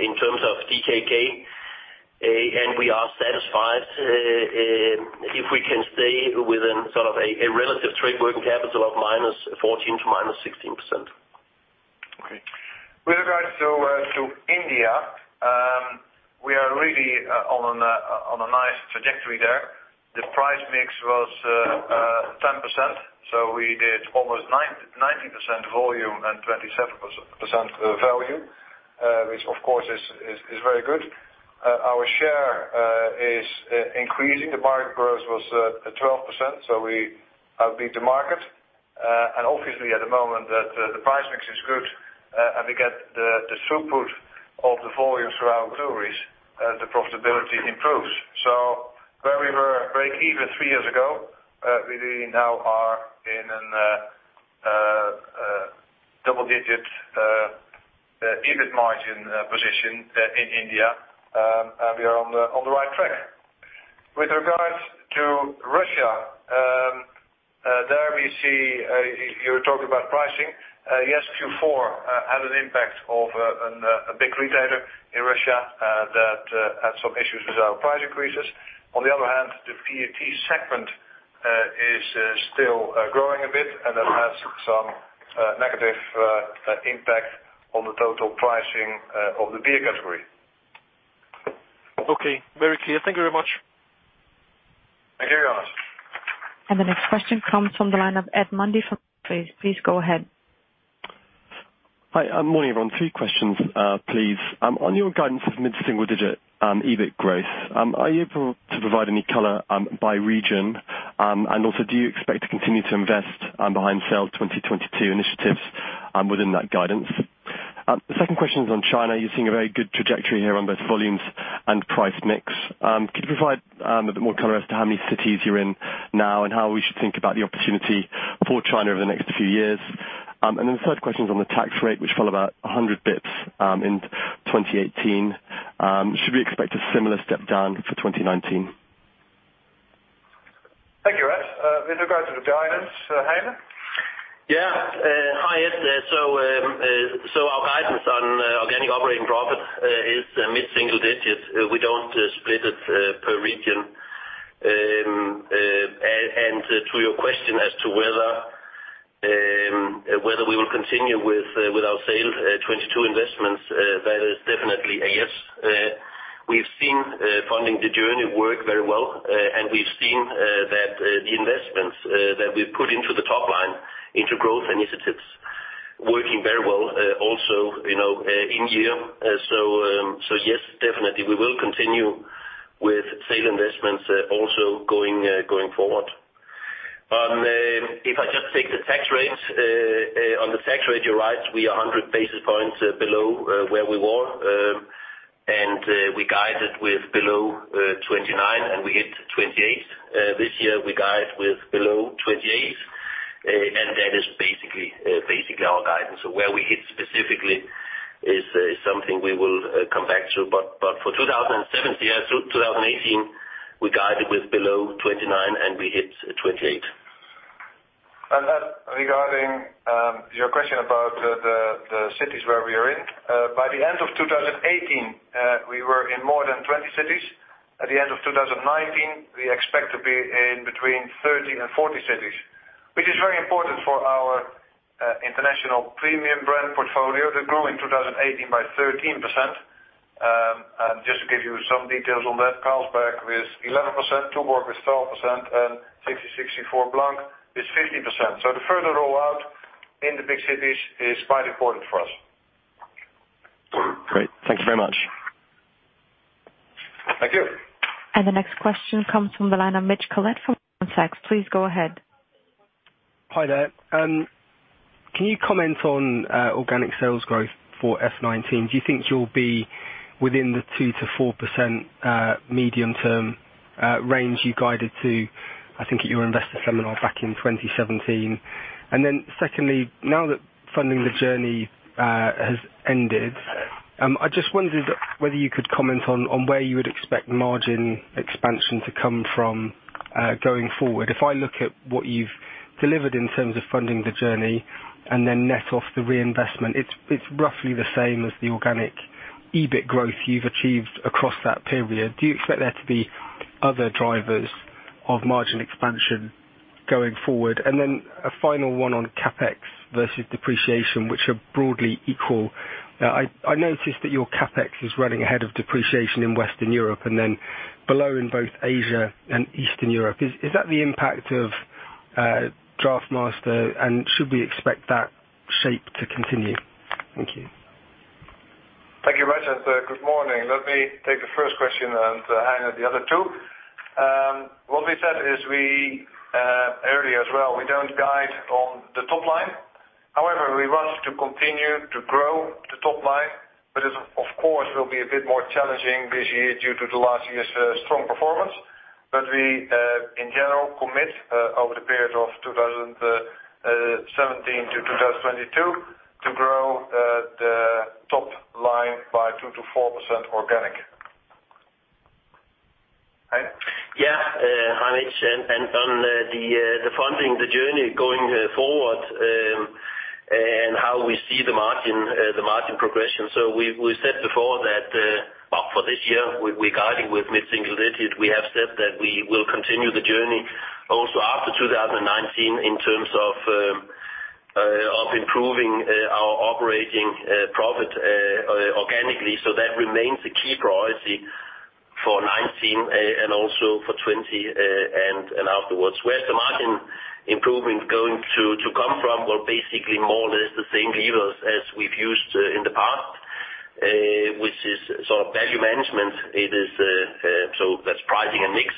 in terms of DKK, we are satisfied if we can stay within sort of a relative trade working capital of -14% to -16%. With regards to India, we are really on a nice trajectory there. The price mix was 10%, so we did almost 90% volume and 27% value, which of course is very good. Our share is increasing. The market growth was at 12%, so we outbeat the market. Obviously at the moment that the price mix is good, and we get the throughput of the volumes through our breweries, the profitability improves. Where we were breakeven three years ago, we really now are in a double-digit EBIT margin position in India, and we are on the right track. With regards to Russia, there we see you're talking about pricing. Yes, Q4 had an impact of a big retailer in Russia that had some issues with our price increases. On the other hand, the PET segment is still growing a bit, and that has some negative impact on the total pricing of the beer category. Okay. Very clear. Thank you very much. Thank you, Jonas. The next question comes from the line of Ed Mundy from Jefferies. Please go ahead. Hi, morning, everyone. Three questions, please. On your guidance of mid-single digit EBIT growth, are you able to provide any color by region? Also, do you expect to continue to invest behind SAIL'22 initiatives within that guidance? The second question is on China. You're seeing a very good trajectory here on both volumes and price mix. Could you provide a bit more color as to how many cities you're in now, and how we should think about the opportunity for China over the next few years? The third question is on the tax rate, which fell about 100 basis points in 2018. Should we expect a similar step down for 2019? Thank you, Ed. With regards to the guidance, Heine? Yeah. Hi, Ed. Our guidance on organic operating profit is mid-single digits. We don't split it per region. To your question as to whether we will continue with our SAIL'22 investments, that is definitely a yes. We've seen Funding the Journey work very well, and we've seen that the investments that we've put into the top line into growth initiatives Working very well also in year. Yes, definitely we will continue with SAIL'22 investments also going forward. If I just take the tax rates. On the tax rate, you're right, we are 100 basis points below where we were, and we guided with below 29, and we hit 28. This year we guide with below 28, and that is basically our guidance. Where we hit specifically is something we will come back to. For 2017-2018, we guided with below 29 and we hit 28. Regarding your question about the cities where we are in. By the end of 2018, we were in more than 20 cities. At the end of 2019, we expect to be in between 30 and 40 cities, which is very important for our international premium brand portfolio that grew in 2018 by 13%. Just to give you some details on that, Carlsberg with 11%, Tuborg with 12%, and 1664 Blanc is 15%. The further rollout in the big cities is quite important for us. Great. Thank you very much. Thank you. The next question comes from the line of Mitch Collett from Goldman Sachs. Please go ahead. Hi there. Can you comment on organic sales growth for 2019? Do you think you'll be within the 2%-4% medium term range you guided to, I think, at your investor seminar back in 2017? Secondly, now that Funding the Journey has ended, I just wondered whether you could comment on where you would expect margin expansion to come from going forward. If I look at what you've delivered in terms of Funding the Journey and then net off the reinvestment, it's roughly the same as the organic EBIT growth you've achieved across that period. Do you expect there to be other drivers of margin expansion going forward? A final one on CapEx versus depreciation, which are broadly equal. I noticed that your CapEx is running ahead of depreciation in Western Europe and then below in both Asia and Eastern Europe. Is that the impact of DraughtMaster, and should we expect that shape to continue? Thank you. Thank you, Mitch, and good morning. Let me take the first question, and Heine the other two. What we said is we, earlier as well, we don't guide on the top line. However, we want to continue to grow the top line, but it, of course, will be a bit more challenging this year due to the last year's strong performance. We, in general, commit over the period of 2017 to 2022 to grow the top line by 2%-4% organic. Heine? Hi, Mitch. On the Funding the Journey going forward and how we see the margin progression. We said before that for this year, we're guiding with mid-single digits. We have said that we will continue the journey also after 2019 in terms of improving our operating profit organically. That remains a key priority for '19 and also for '20 and afterwards. Where's the margin improvement going to come from? Basically more or less the same levers as we've used in the past, which is value management. That's pricing and mix.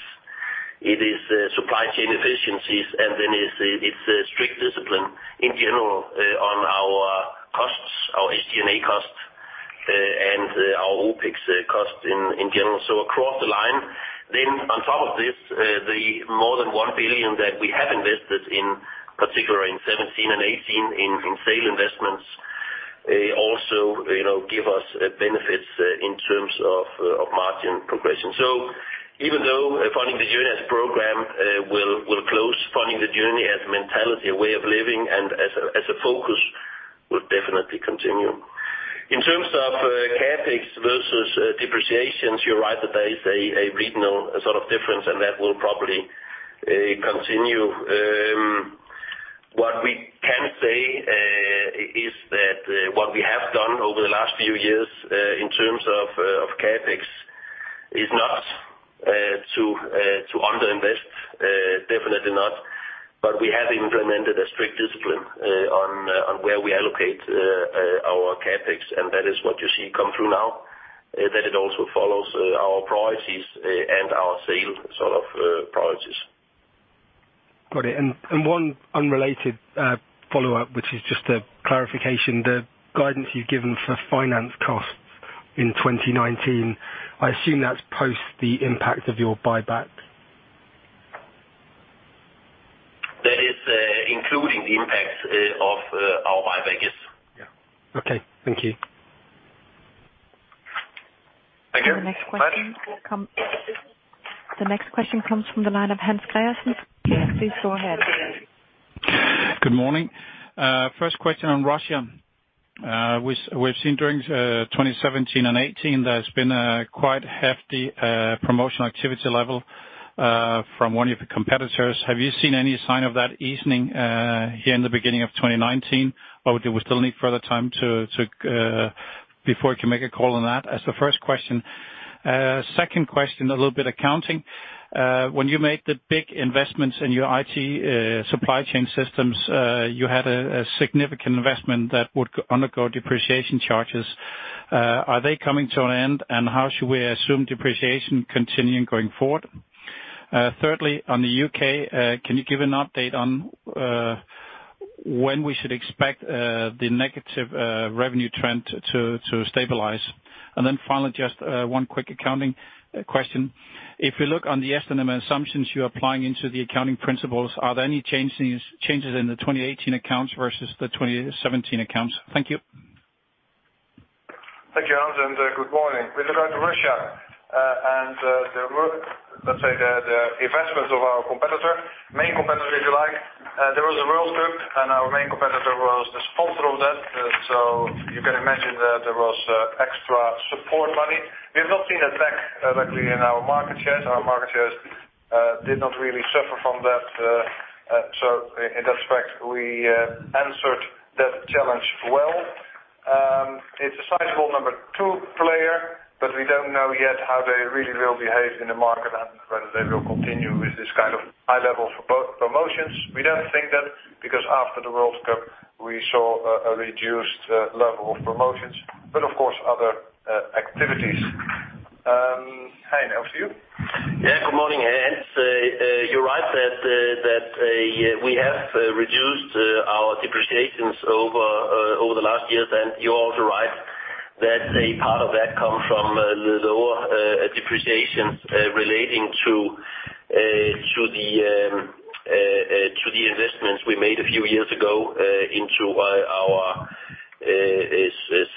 It is supply chain efficiencies, and it's strict discipline in general on our costs, our SG&A costs, and our OpEx costs in general. Across the line. On top of this, the more than 1 billion that we have invested in, particularly in '17 and '18 in SAIL investments, also give us benefits in terms of margin progression. Even though Funding the Journey as a program will close, Funding the Journey as mentality, a way of living, and as a focus will definitely continue. In terms of CapEx versus depreciation, you're right that there is a regional sort of difference, and that will probably continue. What we can say is that what we have done over the last few years in terms of CapEx is not to under-invest, definitely not. We have implemented a strict discipline on where we allocate our CapEx, and that is what you see come through now, that it also follows our priorities and our SAIL priorities. Got it. One unrelated follow-up, which is just a clarification. The guidance you've given for finance costs in 2019, I assume that's post the impact of your buyback? That is including the impact of our buyback, yes. Yeah. Okay, thank you. Thank you. The next question comes from the line of Hans Gregersen from Nordea. Please go ahead. Good morning. First question on Russia. We've seen during 2017 and 2018, there's been a quite hefty promotional activity level from one of your competitors. Have you seen any sign of that easing here in the beginning of 2019, or do we still need further time before we can make a call on that? As the first question. Second question, a little bit accounting. When you made the big investments in your IT supply chain systems, you had a significant investment that would undergo depreciation charges. Are they coming to an end, and how should we assume depreciation continuing going forward? Thirdly, on the U.K., can you give an update on when we should expect the negative revenue trend to stabilize? Finally, just one quick accounting question. If you look on the estimate assumptions you're applying into the accounting principles, are there any changes in the 2018 accounts versus the 2017 accounts? Thank you. Thank you, Hans, and good morning. With regard to Russia and the work, let's say the investments of our competitor, main competitor, if you like, there was a World Cup and our main competitor was the sponsor of that, you can imagine that there was extra support money. We have not seen it back, luckily, in our market shares. Our market shares did not really suffer from that. In that respect, we answered that challenge well. It's a sizable number 2 player, but we don't know yet how they really will behave in the market and whether they will continue with this kind of high level for both promotions. We don't think that, because after the World Cup, we saw a reduced level of promotions, but of course, other activities. Heine, over to you. Good morning, Hans. You're right that we have reduced our depreciations over the last years, and you're also right that a part of that comes from the lower depreciation relating to the investments we made a few years ago into our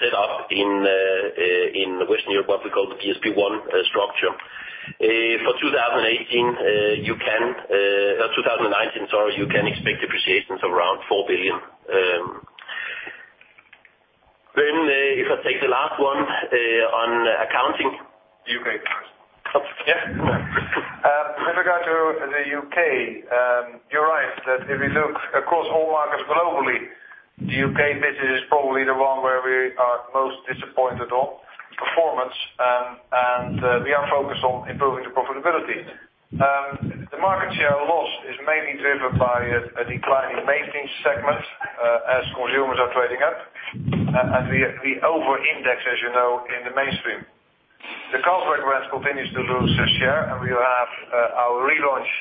setup in Western Europe, what we call the BSP1 structure. For 2019, you can expect depreciations around 4 billion. If I take the last one on accounting. UK. With regard to the U.K., you're right, that if you look across all markets globally, the U.K. business is probably the one where we are most disappointed on performance, we are focused on improving the profitability. The market share loss is mainly driven by a decline in mainstream segment, as consumers are trading up. We over-index, as you know, in the mainstream. The Carlsberg brand continues to lose its share, we have our relaunch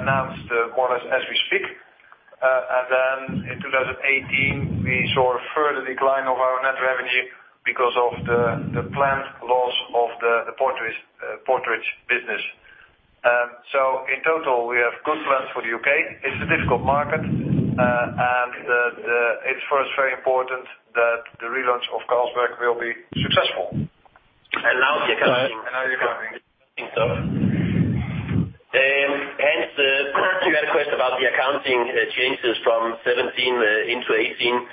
announced as we speak. In 2018, we saw a further decline of our net revenue because of the planned loss of the porterage business. In total, we have good plans for the U.K. It's a difficult market, and it's for us very important that the relaunch of Carlsberg will be successful. Now the accounting stuff. Now the accounting. Hans, you had a question about the accounting changes from 2017 into 2018.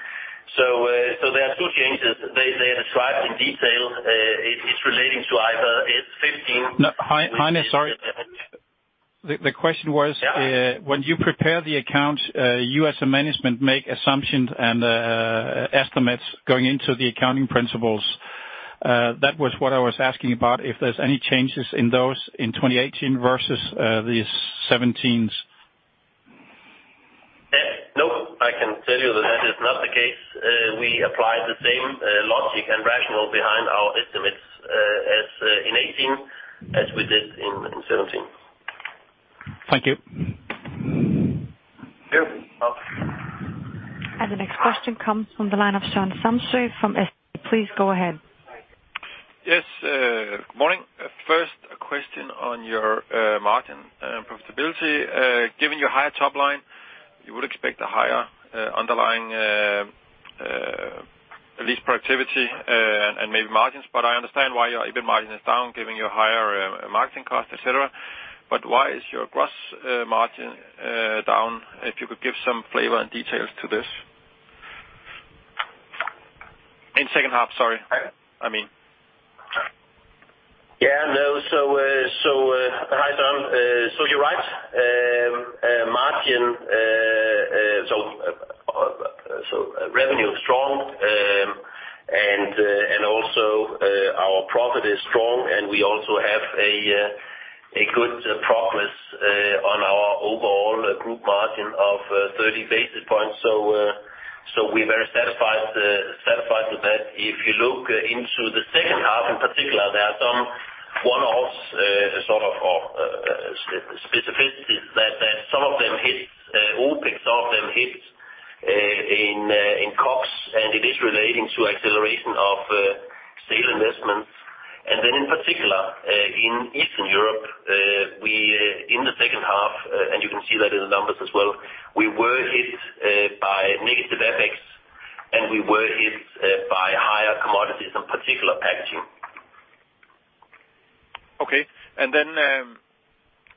There are two changes. They are described in detail. It is relating to IFRS 15. No, Heine, sorry. The question was. When you prepare the accounts, you as a management make assumptions and estimates going into the accounting principles. That was what I was asking about, if there's any changes in those in 2018 versus the 2017s. No, I can tell you that that is not the case. We apply the same logic and rationale behind our estimates as in 2018 as we did in 2017. Thank you. Thank you. The next question comes from the line of Søren Samsøe from SEB. Please go ahead. Yes, good morning. First, a question on your margin profitability. Given your higher top line, you would expect a higher underlying at least productivity, and maybe margins, but I understand why your EBIT margin is down, given your higher marketing cost, et cetera. Why is your gross margin down in second half? If you could give some flavor and details to this. Sorry. I mean. Yeah, no. Hi, Søren. You're right. Revenue is strong, and also our profit is strong, and we also have a good progress on our overall group margin of 30 basis points. We're very satisfied with that. If you look into the second half in particular, there are some one-offs, sort of specificities that some of them hit OpEx, some of them hit in COGS, and it is relating to acceleration of sale investments. In particular, in Eastern Europe, we in the second half, and you can see that in the numbers as well, we were hit by negative FX, and we were hit by higher commodities, in particular packaging. Okay.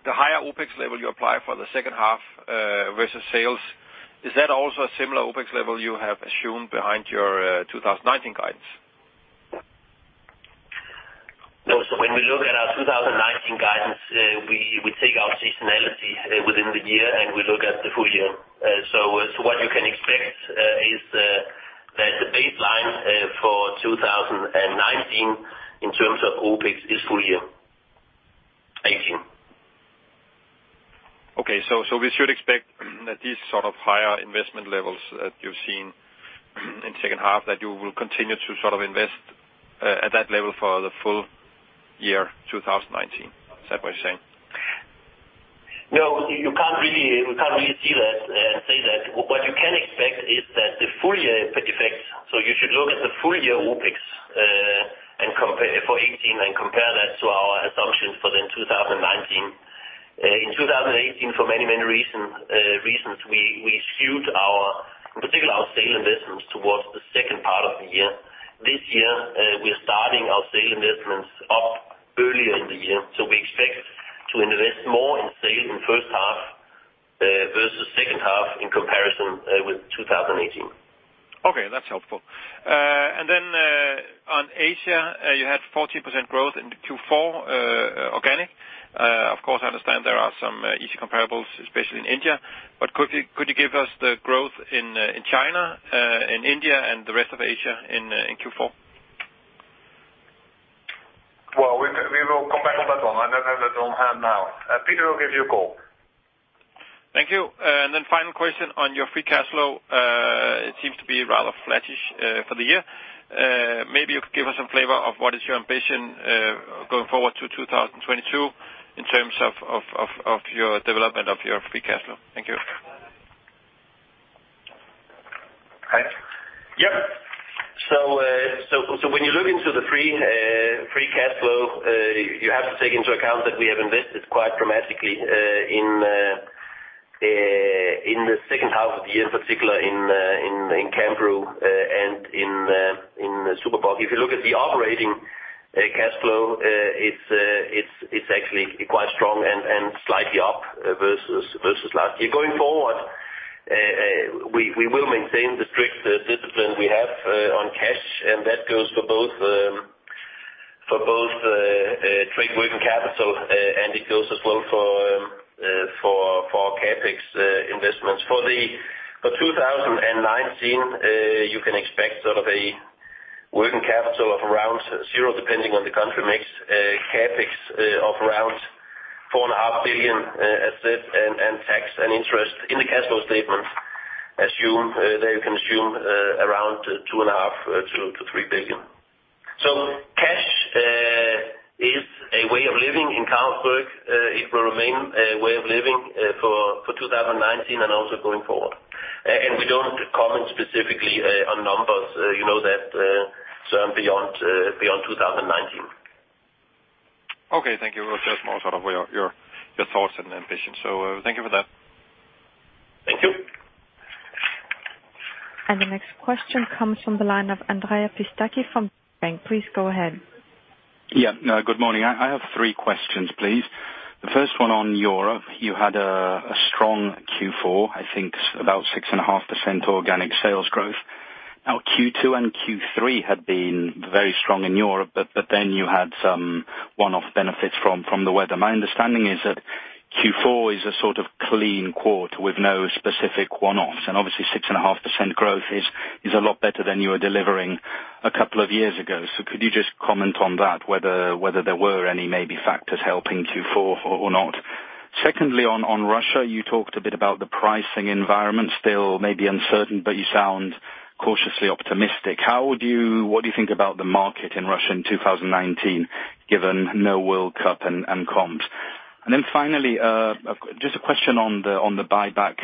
The higher OpEx level you apply for the second half versus sales, is that also a similar OpEx level you have assumed behind your 2019 guidance? No. When we look at our 2019 guidance, we take out seasonality within the year, and we look at the full year. What you can expect is that the baseline for 2019 in terms of OpEx is full year. Thank you. Okay. We should expect that this sort of higher investment levels that you're seeing in second half, that you will continue to invest at that level for the full year 2019. Is that what you're saying? No. We can't really see that and say that. What you can expect is that the full year effects. You should look at the full year OpEx for 2018 and compare that to our assumptions for then 2019. In 2018, for many, many reasons, we skewed, in particular, our sale investments towards the second part of the year. This year, we are starting our sale investments off earlier in the year. We expect to invest more in sale in first half versus second half in comparison with 2018. Okay, that's helpful. On Asia, you had 14% growth into Q4, organic. Of course, I understand there are some easy comparables, especially in India. Could you give us the growth in China, in India, and the rest of Asia in Q4? Well, we will come back on that one. I don't have that on hand now. Peter will give you a call. Thank you. Final question on your free cash flow. It seems to be rather flattish for the year. Maybe you could give us some flavor of what is your ambition, going forward to 2022, in terms of your development of your free cash flow. Thank you. Heine? Yeah. When you look into the free cash flow, you have to take into account that we have invested quite dramatically, in the second half of the year, in particular in Cambrew and in Super Bock. If you look at the operating cash flow, it's actually quite strong and slightly up versus last year. Going forward, we will maintain the strict discipline we have on cash, and that goes for both trade working capital, and it goes as well for our CapEx investments. For 2019, you can expect a working capital of around zero, depending on the country mix, CapEx of around 4.5 billion asset and tax and interest in the cash flow statement. Assume they consume around 2.5 billion-3 billion. Cash is a way of living in Carlsberg. It will remain a way of living for 2019 and also going forward. Again, we don't comment specifically on numbers, you know that, beyond 2019. Okay, thank you. Just more of your thoughts and ambitions. Thank you for that. Thank you. The next question comes from the line of Andrea Pistacchi from Deutsche Bank. Please go ahead. Yeah. Good morning. I have three questions, please. The first one on Europe. You had a strong Q4, I think about 6.5% organic sales growth. Now Q2 and Q3 had been very strong in Europe, but then you had some one-off benefits from the weather. My understanding is that Q4 is a sort of clean quarter with no specific one-offs, and obviously 6.5% growth is a lot better than you were delivering a couple of years ago. Could you just comment on that, whether there were any maybe factors helping Q4 or not? Secondly, on Russia, you talked a bit about the pricing environment, still may be uncertain, but you sound cautiously optimistic. What do you think about the market in Russia in 2019, given no World Cup and comps? Finally, just a question on the buyback.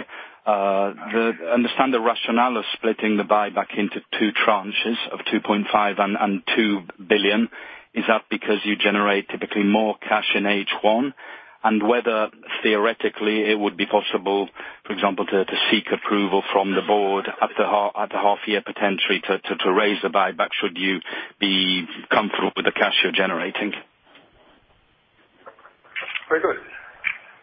I understand the rationale of splitting the buyback into two tranches of 2.5 billion and 2 billion. Is that because you generate typically more cash in H1? Whether theoretically it would be possible, for example, to seek approval from the Board at the half year potentially to raise the buyback should you be comfortable with the cash you're generating? Very good.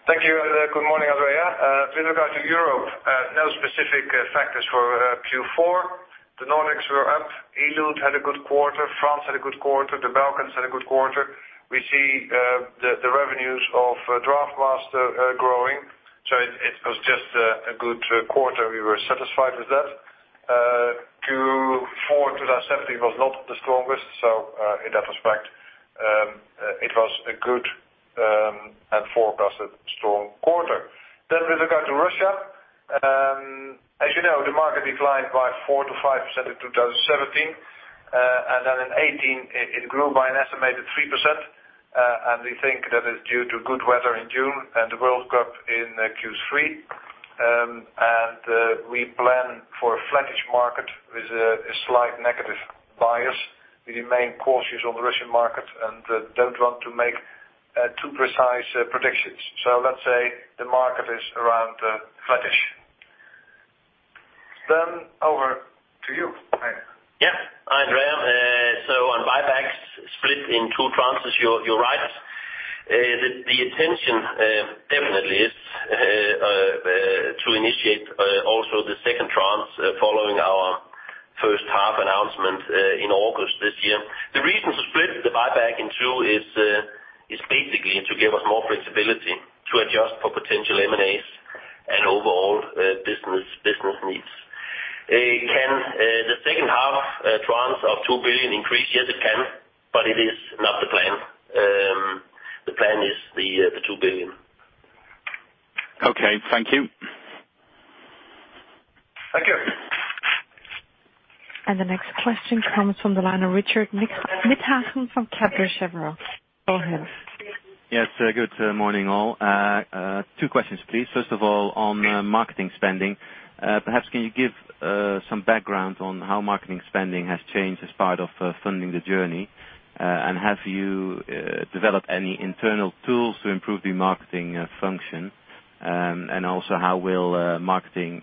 Thank you. Good morning, Andrea. If we look out to Europe, no specific factors for Q4. The Nordics were up. Ilut had a good quarter. France had a good quarter. The Balkans had a good quarter. We see the revenues of DraughtMaster growing. It was just a good quarter. We were satisfied with that. Q4 2017 was not the strongest, in that respect, it was a good and forecasted strong quarter. If we look out to Russia. As you know, the market declined by 4%-5% in 2017. In 2018, it grew by an estimated 3%, we think that is due to good weather in June and the World Cup in Q3. We plan for a flattish market with a slight negative bias. We remain cautious on the Russian market and don't want to make too precise predictions. Let's say the market is around flattish. Over to you, Heine. Andrea, on buybacks split in two tranches, you're right. The intention definitely is to initiate also the second tranche following our first half announcement in August this year. The buyback in two is basically to give us more flexibility to adjust for potential M&As and overall business needs. Can the second half tranche of 2 billion increase? Yes, it can, it is not the plan. The plan is the 2 billion. Okay, thank you. Thank you. The next question comes from the line of Richard Withagen from Kepler Cheuvreux. Go ahead. Yes. Good morning, all. Two questions, please. First of all, on marketing spending, perhaps can you give some background on how marketing spending has changed as part of Funding the Journey? Have you developed any internal tools to improve the marketing function? Also how will marketing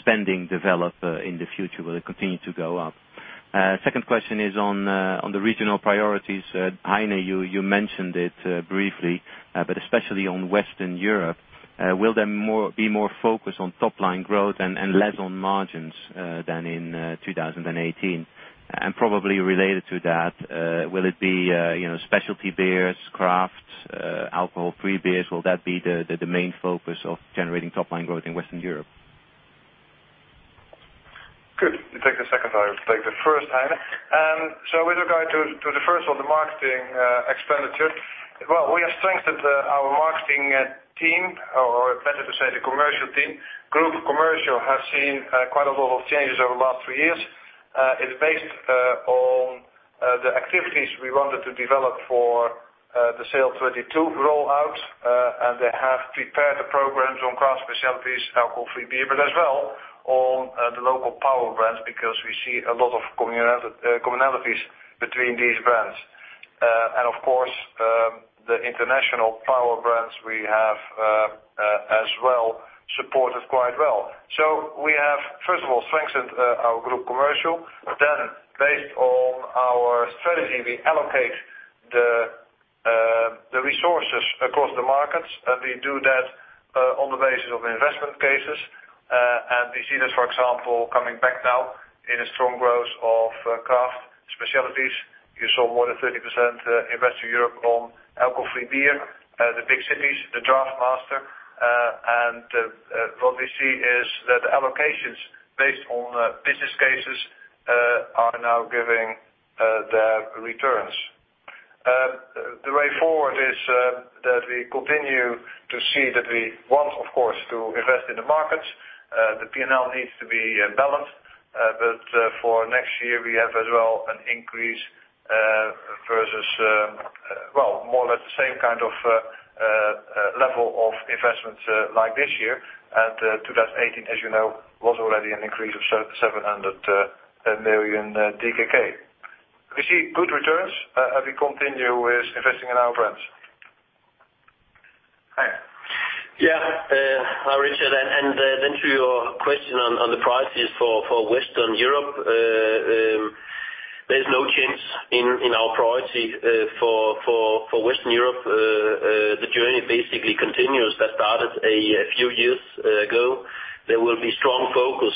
spending develop in the future? Will it continue to go up? Second question is on the regional priorities. Heine, you mentioned it briefly, but especially on Western Europe, will there be more focus on top-line growth and less on margins than in 2018? Probably related to that, will it be specialty beers, craft, alcohol-free beers? Will that be the main focus of generating top-line growth in Western Europe? Good. You take the second, I will take the first, Heine. With regard to the first on the marketing expenditure, well, we have strengthened our marketing team, or better to say the commercial team. Group commercial has seen quite a lot of changes over the last three years. It's based on the activities we wanted to develop for the SAIL'22 rollout, and they have prepared the programs on craft specialties, alcohol-free beer, but as well on the local power brands, because we see a lot of commonalities between these brands. Of course, the international power brands we have as well supported quite well. We have, first of all, strengthened our group commercial. Based on our strategy, we allocate the resources across the markets, and we do that on the basis of investment cases. We see this, for example, coming back now in a strong growth of craft specialties. You saw more than 30% in Western Europe on alcohol-free beer, the big cities, the DraughtMaster. What we see is that allocations based on business cases are now giving their returns. The way forward is that we continue to see that we want, of course, to invest in the markets. The P&L needs to be balanced. For next year, we have as well an increase versus more or less the same kind of level of investments like this year. 2018, as you know, was already an increase of 700 million DKK. We see good returns, and we continue with investing in our brands. Heine. Richard, to your question on the prices for Western Europe, there's no change in our priority for Western Europe. The journey basically continues that started a few years ago. There will be strong focus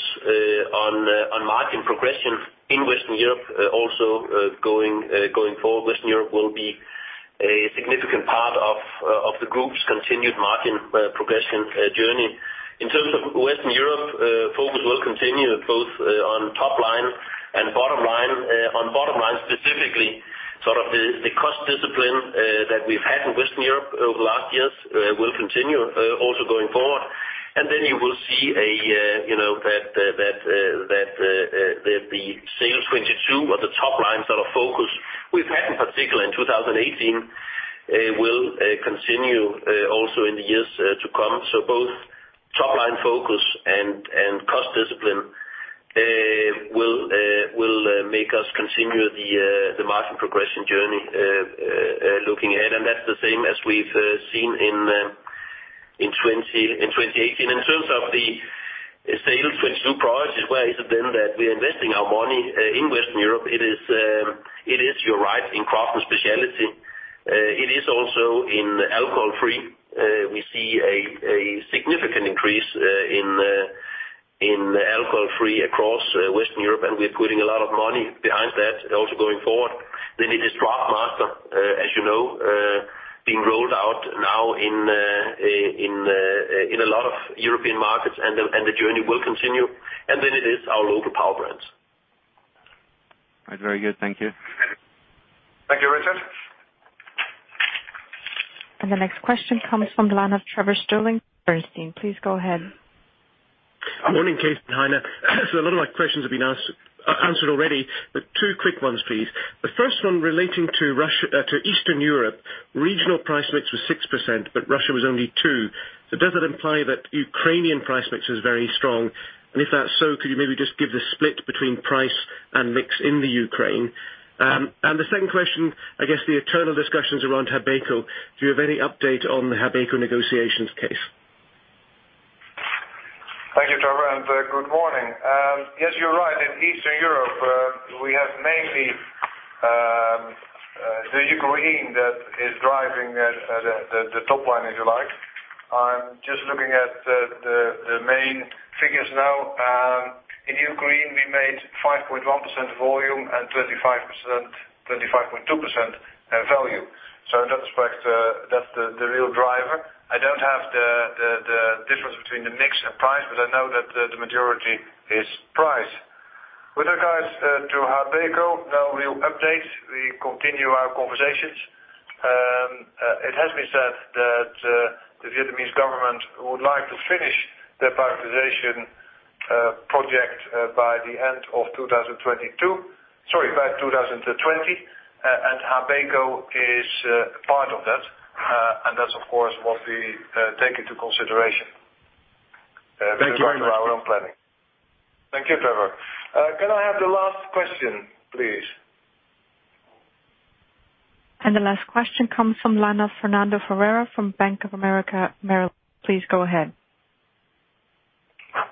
on margin progression in Western Europe. Also going forward, Western Europe will be a significant part of the group's continued margin progression journey. In terms of Western Europe, focus will continue both on top line and bottom line. On bottom line, specifically, the cost discipline that we've had in Western Europe over the last years will continue also going forward. Then you will see that the SAIL'22 or the top line focus we've had in particular in 2018 will continue also in the years to come. Both top-line focus and cost discipline will make us continue the margin progression journey looking ahead, and that's the same as we've seen in 2018. In terms of the SAIL'22 priorities, where is it then that we're investing our money in Western Europe? It is, you're right, in craft and specialty. It is also in alcohol-free. We see a significant increase in alcohol-free across Western Europe, and we're putting a lot of money behind that also going forward. Then it is DraughtMaster, as you know, being rolled out now in a lot of European markets, and the journey will continue. Then it is our local power brands. Right. Very good. Thank you. Thank you, Richard. The next question comes from the line of Trevor Stirling, Bernstein. Please go ahead. Morning, Cees and Heine. A lot of my questions have been answered already, but two quick ones, please. The first one relating to Eastern Europe, regional price mix was 6%, but Russia was only 2%. Does that imply that Ukrainian price mix is very strong? If that's so, could you maybe just give the split between price and mix in the Ukraine? The second question, I guess the eternal discussions around Habeco, do you have any update on the Habeco negotiations case? Thank you, Trevor, and good morning. Yes, you're right. In Eastern Europe, we have mainly the Ukraine that is driving the top line, if you like. I'm just looking at the main figures now. In New Green, we made 5.1% volume and 25.2% value. In that respect, that's the real driver. I don't have the difference between the mix and price, but I know that the majority is price. With regards to Habeco, no real updates. We continue our conversations. It has been said that the Vietnamese government would like to finish their privatization project by the end of 2020, and Habeco is a part of that. That's, of course, what we take into consideration regarding our own planning. Thank you very much Thank you, Trevor. Can I have the last question, please? The last question comes from line of Fernando Ferreira from Bank of America Merrill Lynch. Please go ahead.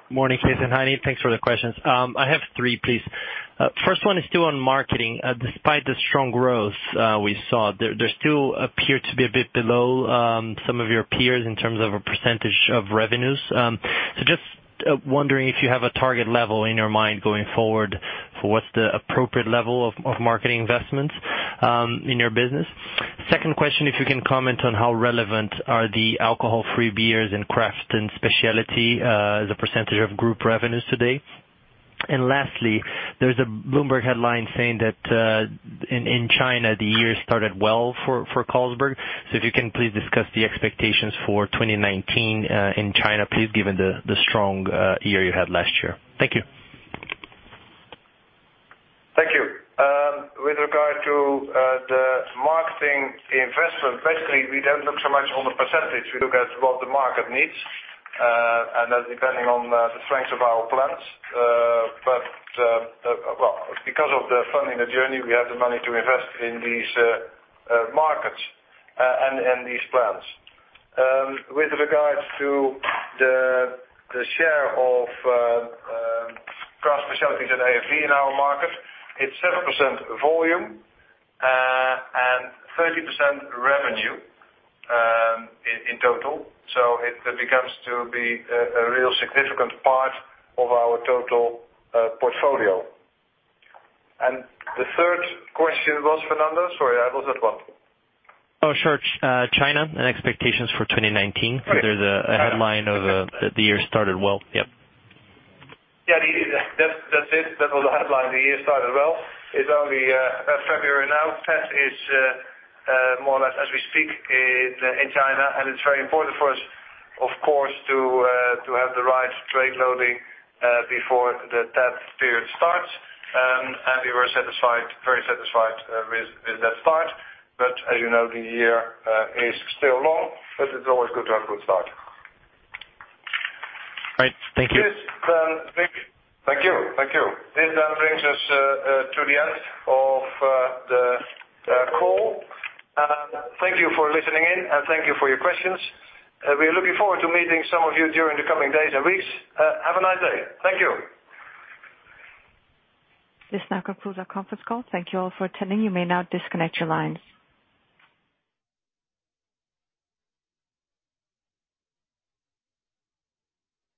Morning, Cees and Heine. Thanks for the questions. I have three, please. First one is still on marketing. Despite the strong growth we saw, there still appear to be a bit below some of your peers in terms of a percentage of revenues. Just wondering if you have a target level in your mind going forward for what's the appropriate level of marketing investments in your business. Second question, if you can comment on how relevant are the alcohol-free beers in craft and specialty as a percentage of group revenues today. Lastly, there's a Bloomberg headline saying that in China, the year started well for Carlsberg. If you can please discuss the expectations for 2019 in China, please, given the strong year you had last year. Thank you. Thank you. With regard to the marketing investment, basically, we don't look so much on the percentage, we look at what the market needs, and depending on the strength of our plans. Because of the Funding the Journey, we have the money to invest in these markets and these plans. With regards to the share of craft specialties and AFB in our market, it's 7% volume and 13% revenue in total. It becomes to be a real significant part of our total portfolio. The third question was, Fernando? Sorry, that was what one? Oh, sure. China and expectations for 2019. Right. There's a headline of the year started well. Yep. Yeah. That's it. That was the headline, the year started well. It's only February now. Tet is more or less as we speak in China, it's very important for us, of course, to have the right trade loading before the Tet period starts. We were very satisfied with that start. As you know, the year is still long, but it's always good to have a good start. All right. Thank you. Thank you. This now brings us to the end of the call. Thank you for listening in, and thank you for your questions. We are looking forward to meeting some of you during the coming days and weeks. Have a nice day. Thank you. This now concludes our conference call. Thank you all for attending. You may now disconnect your lines.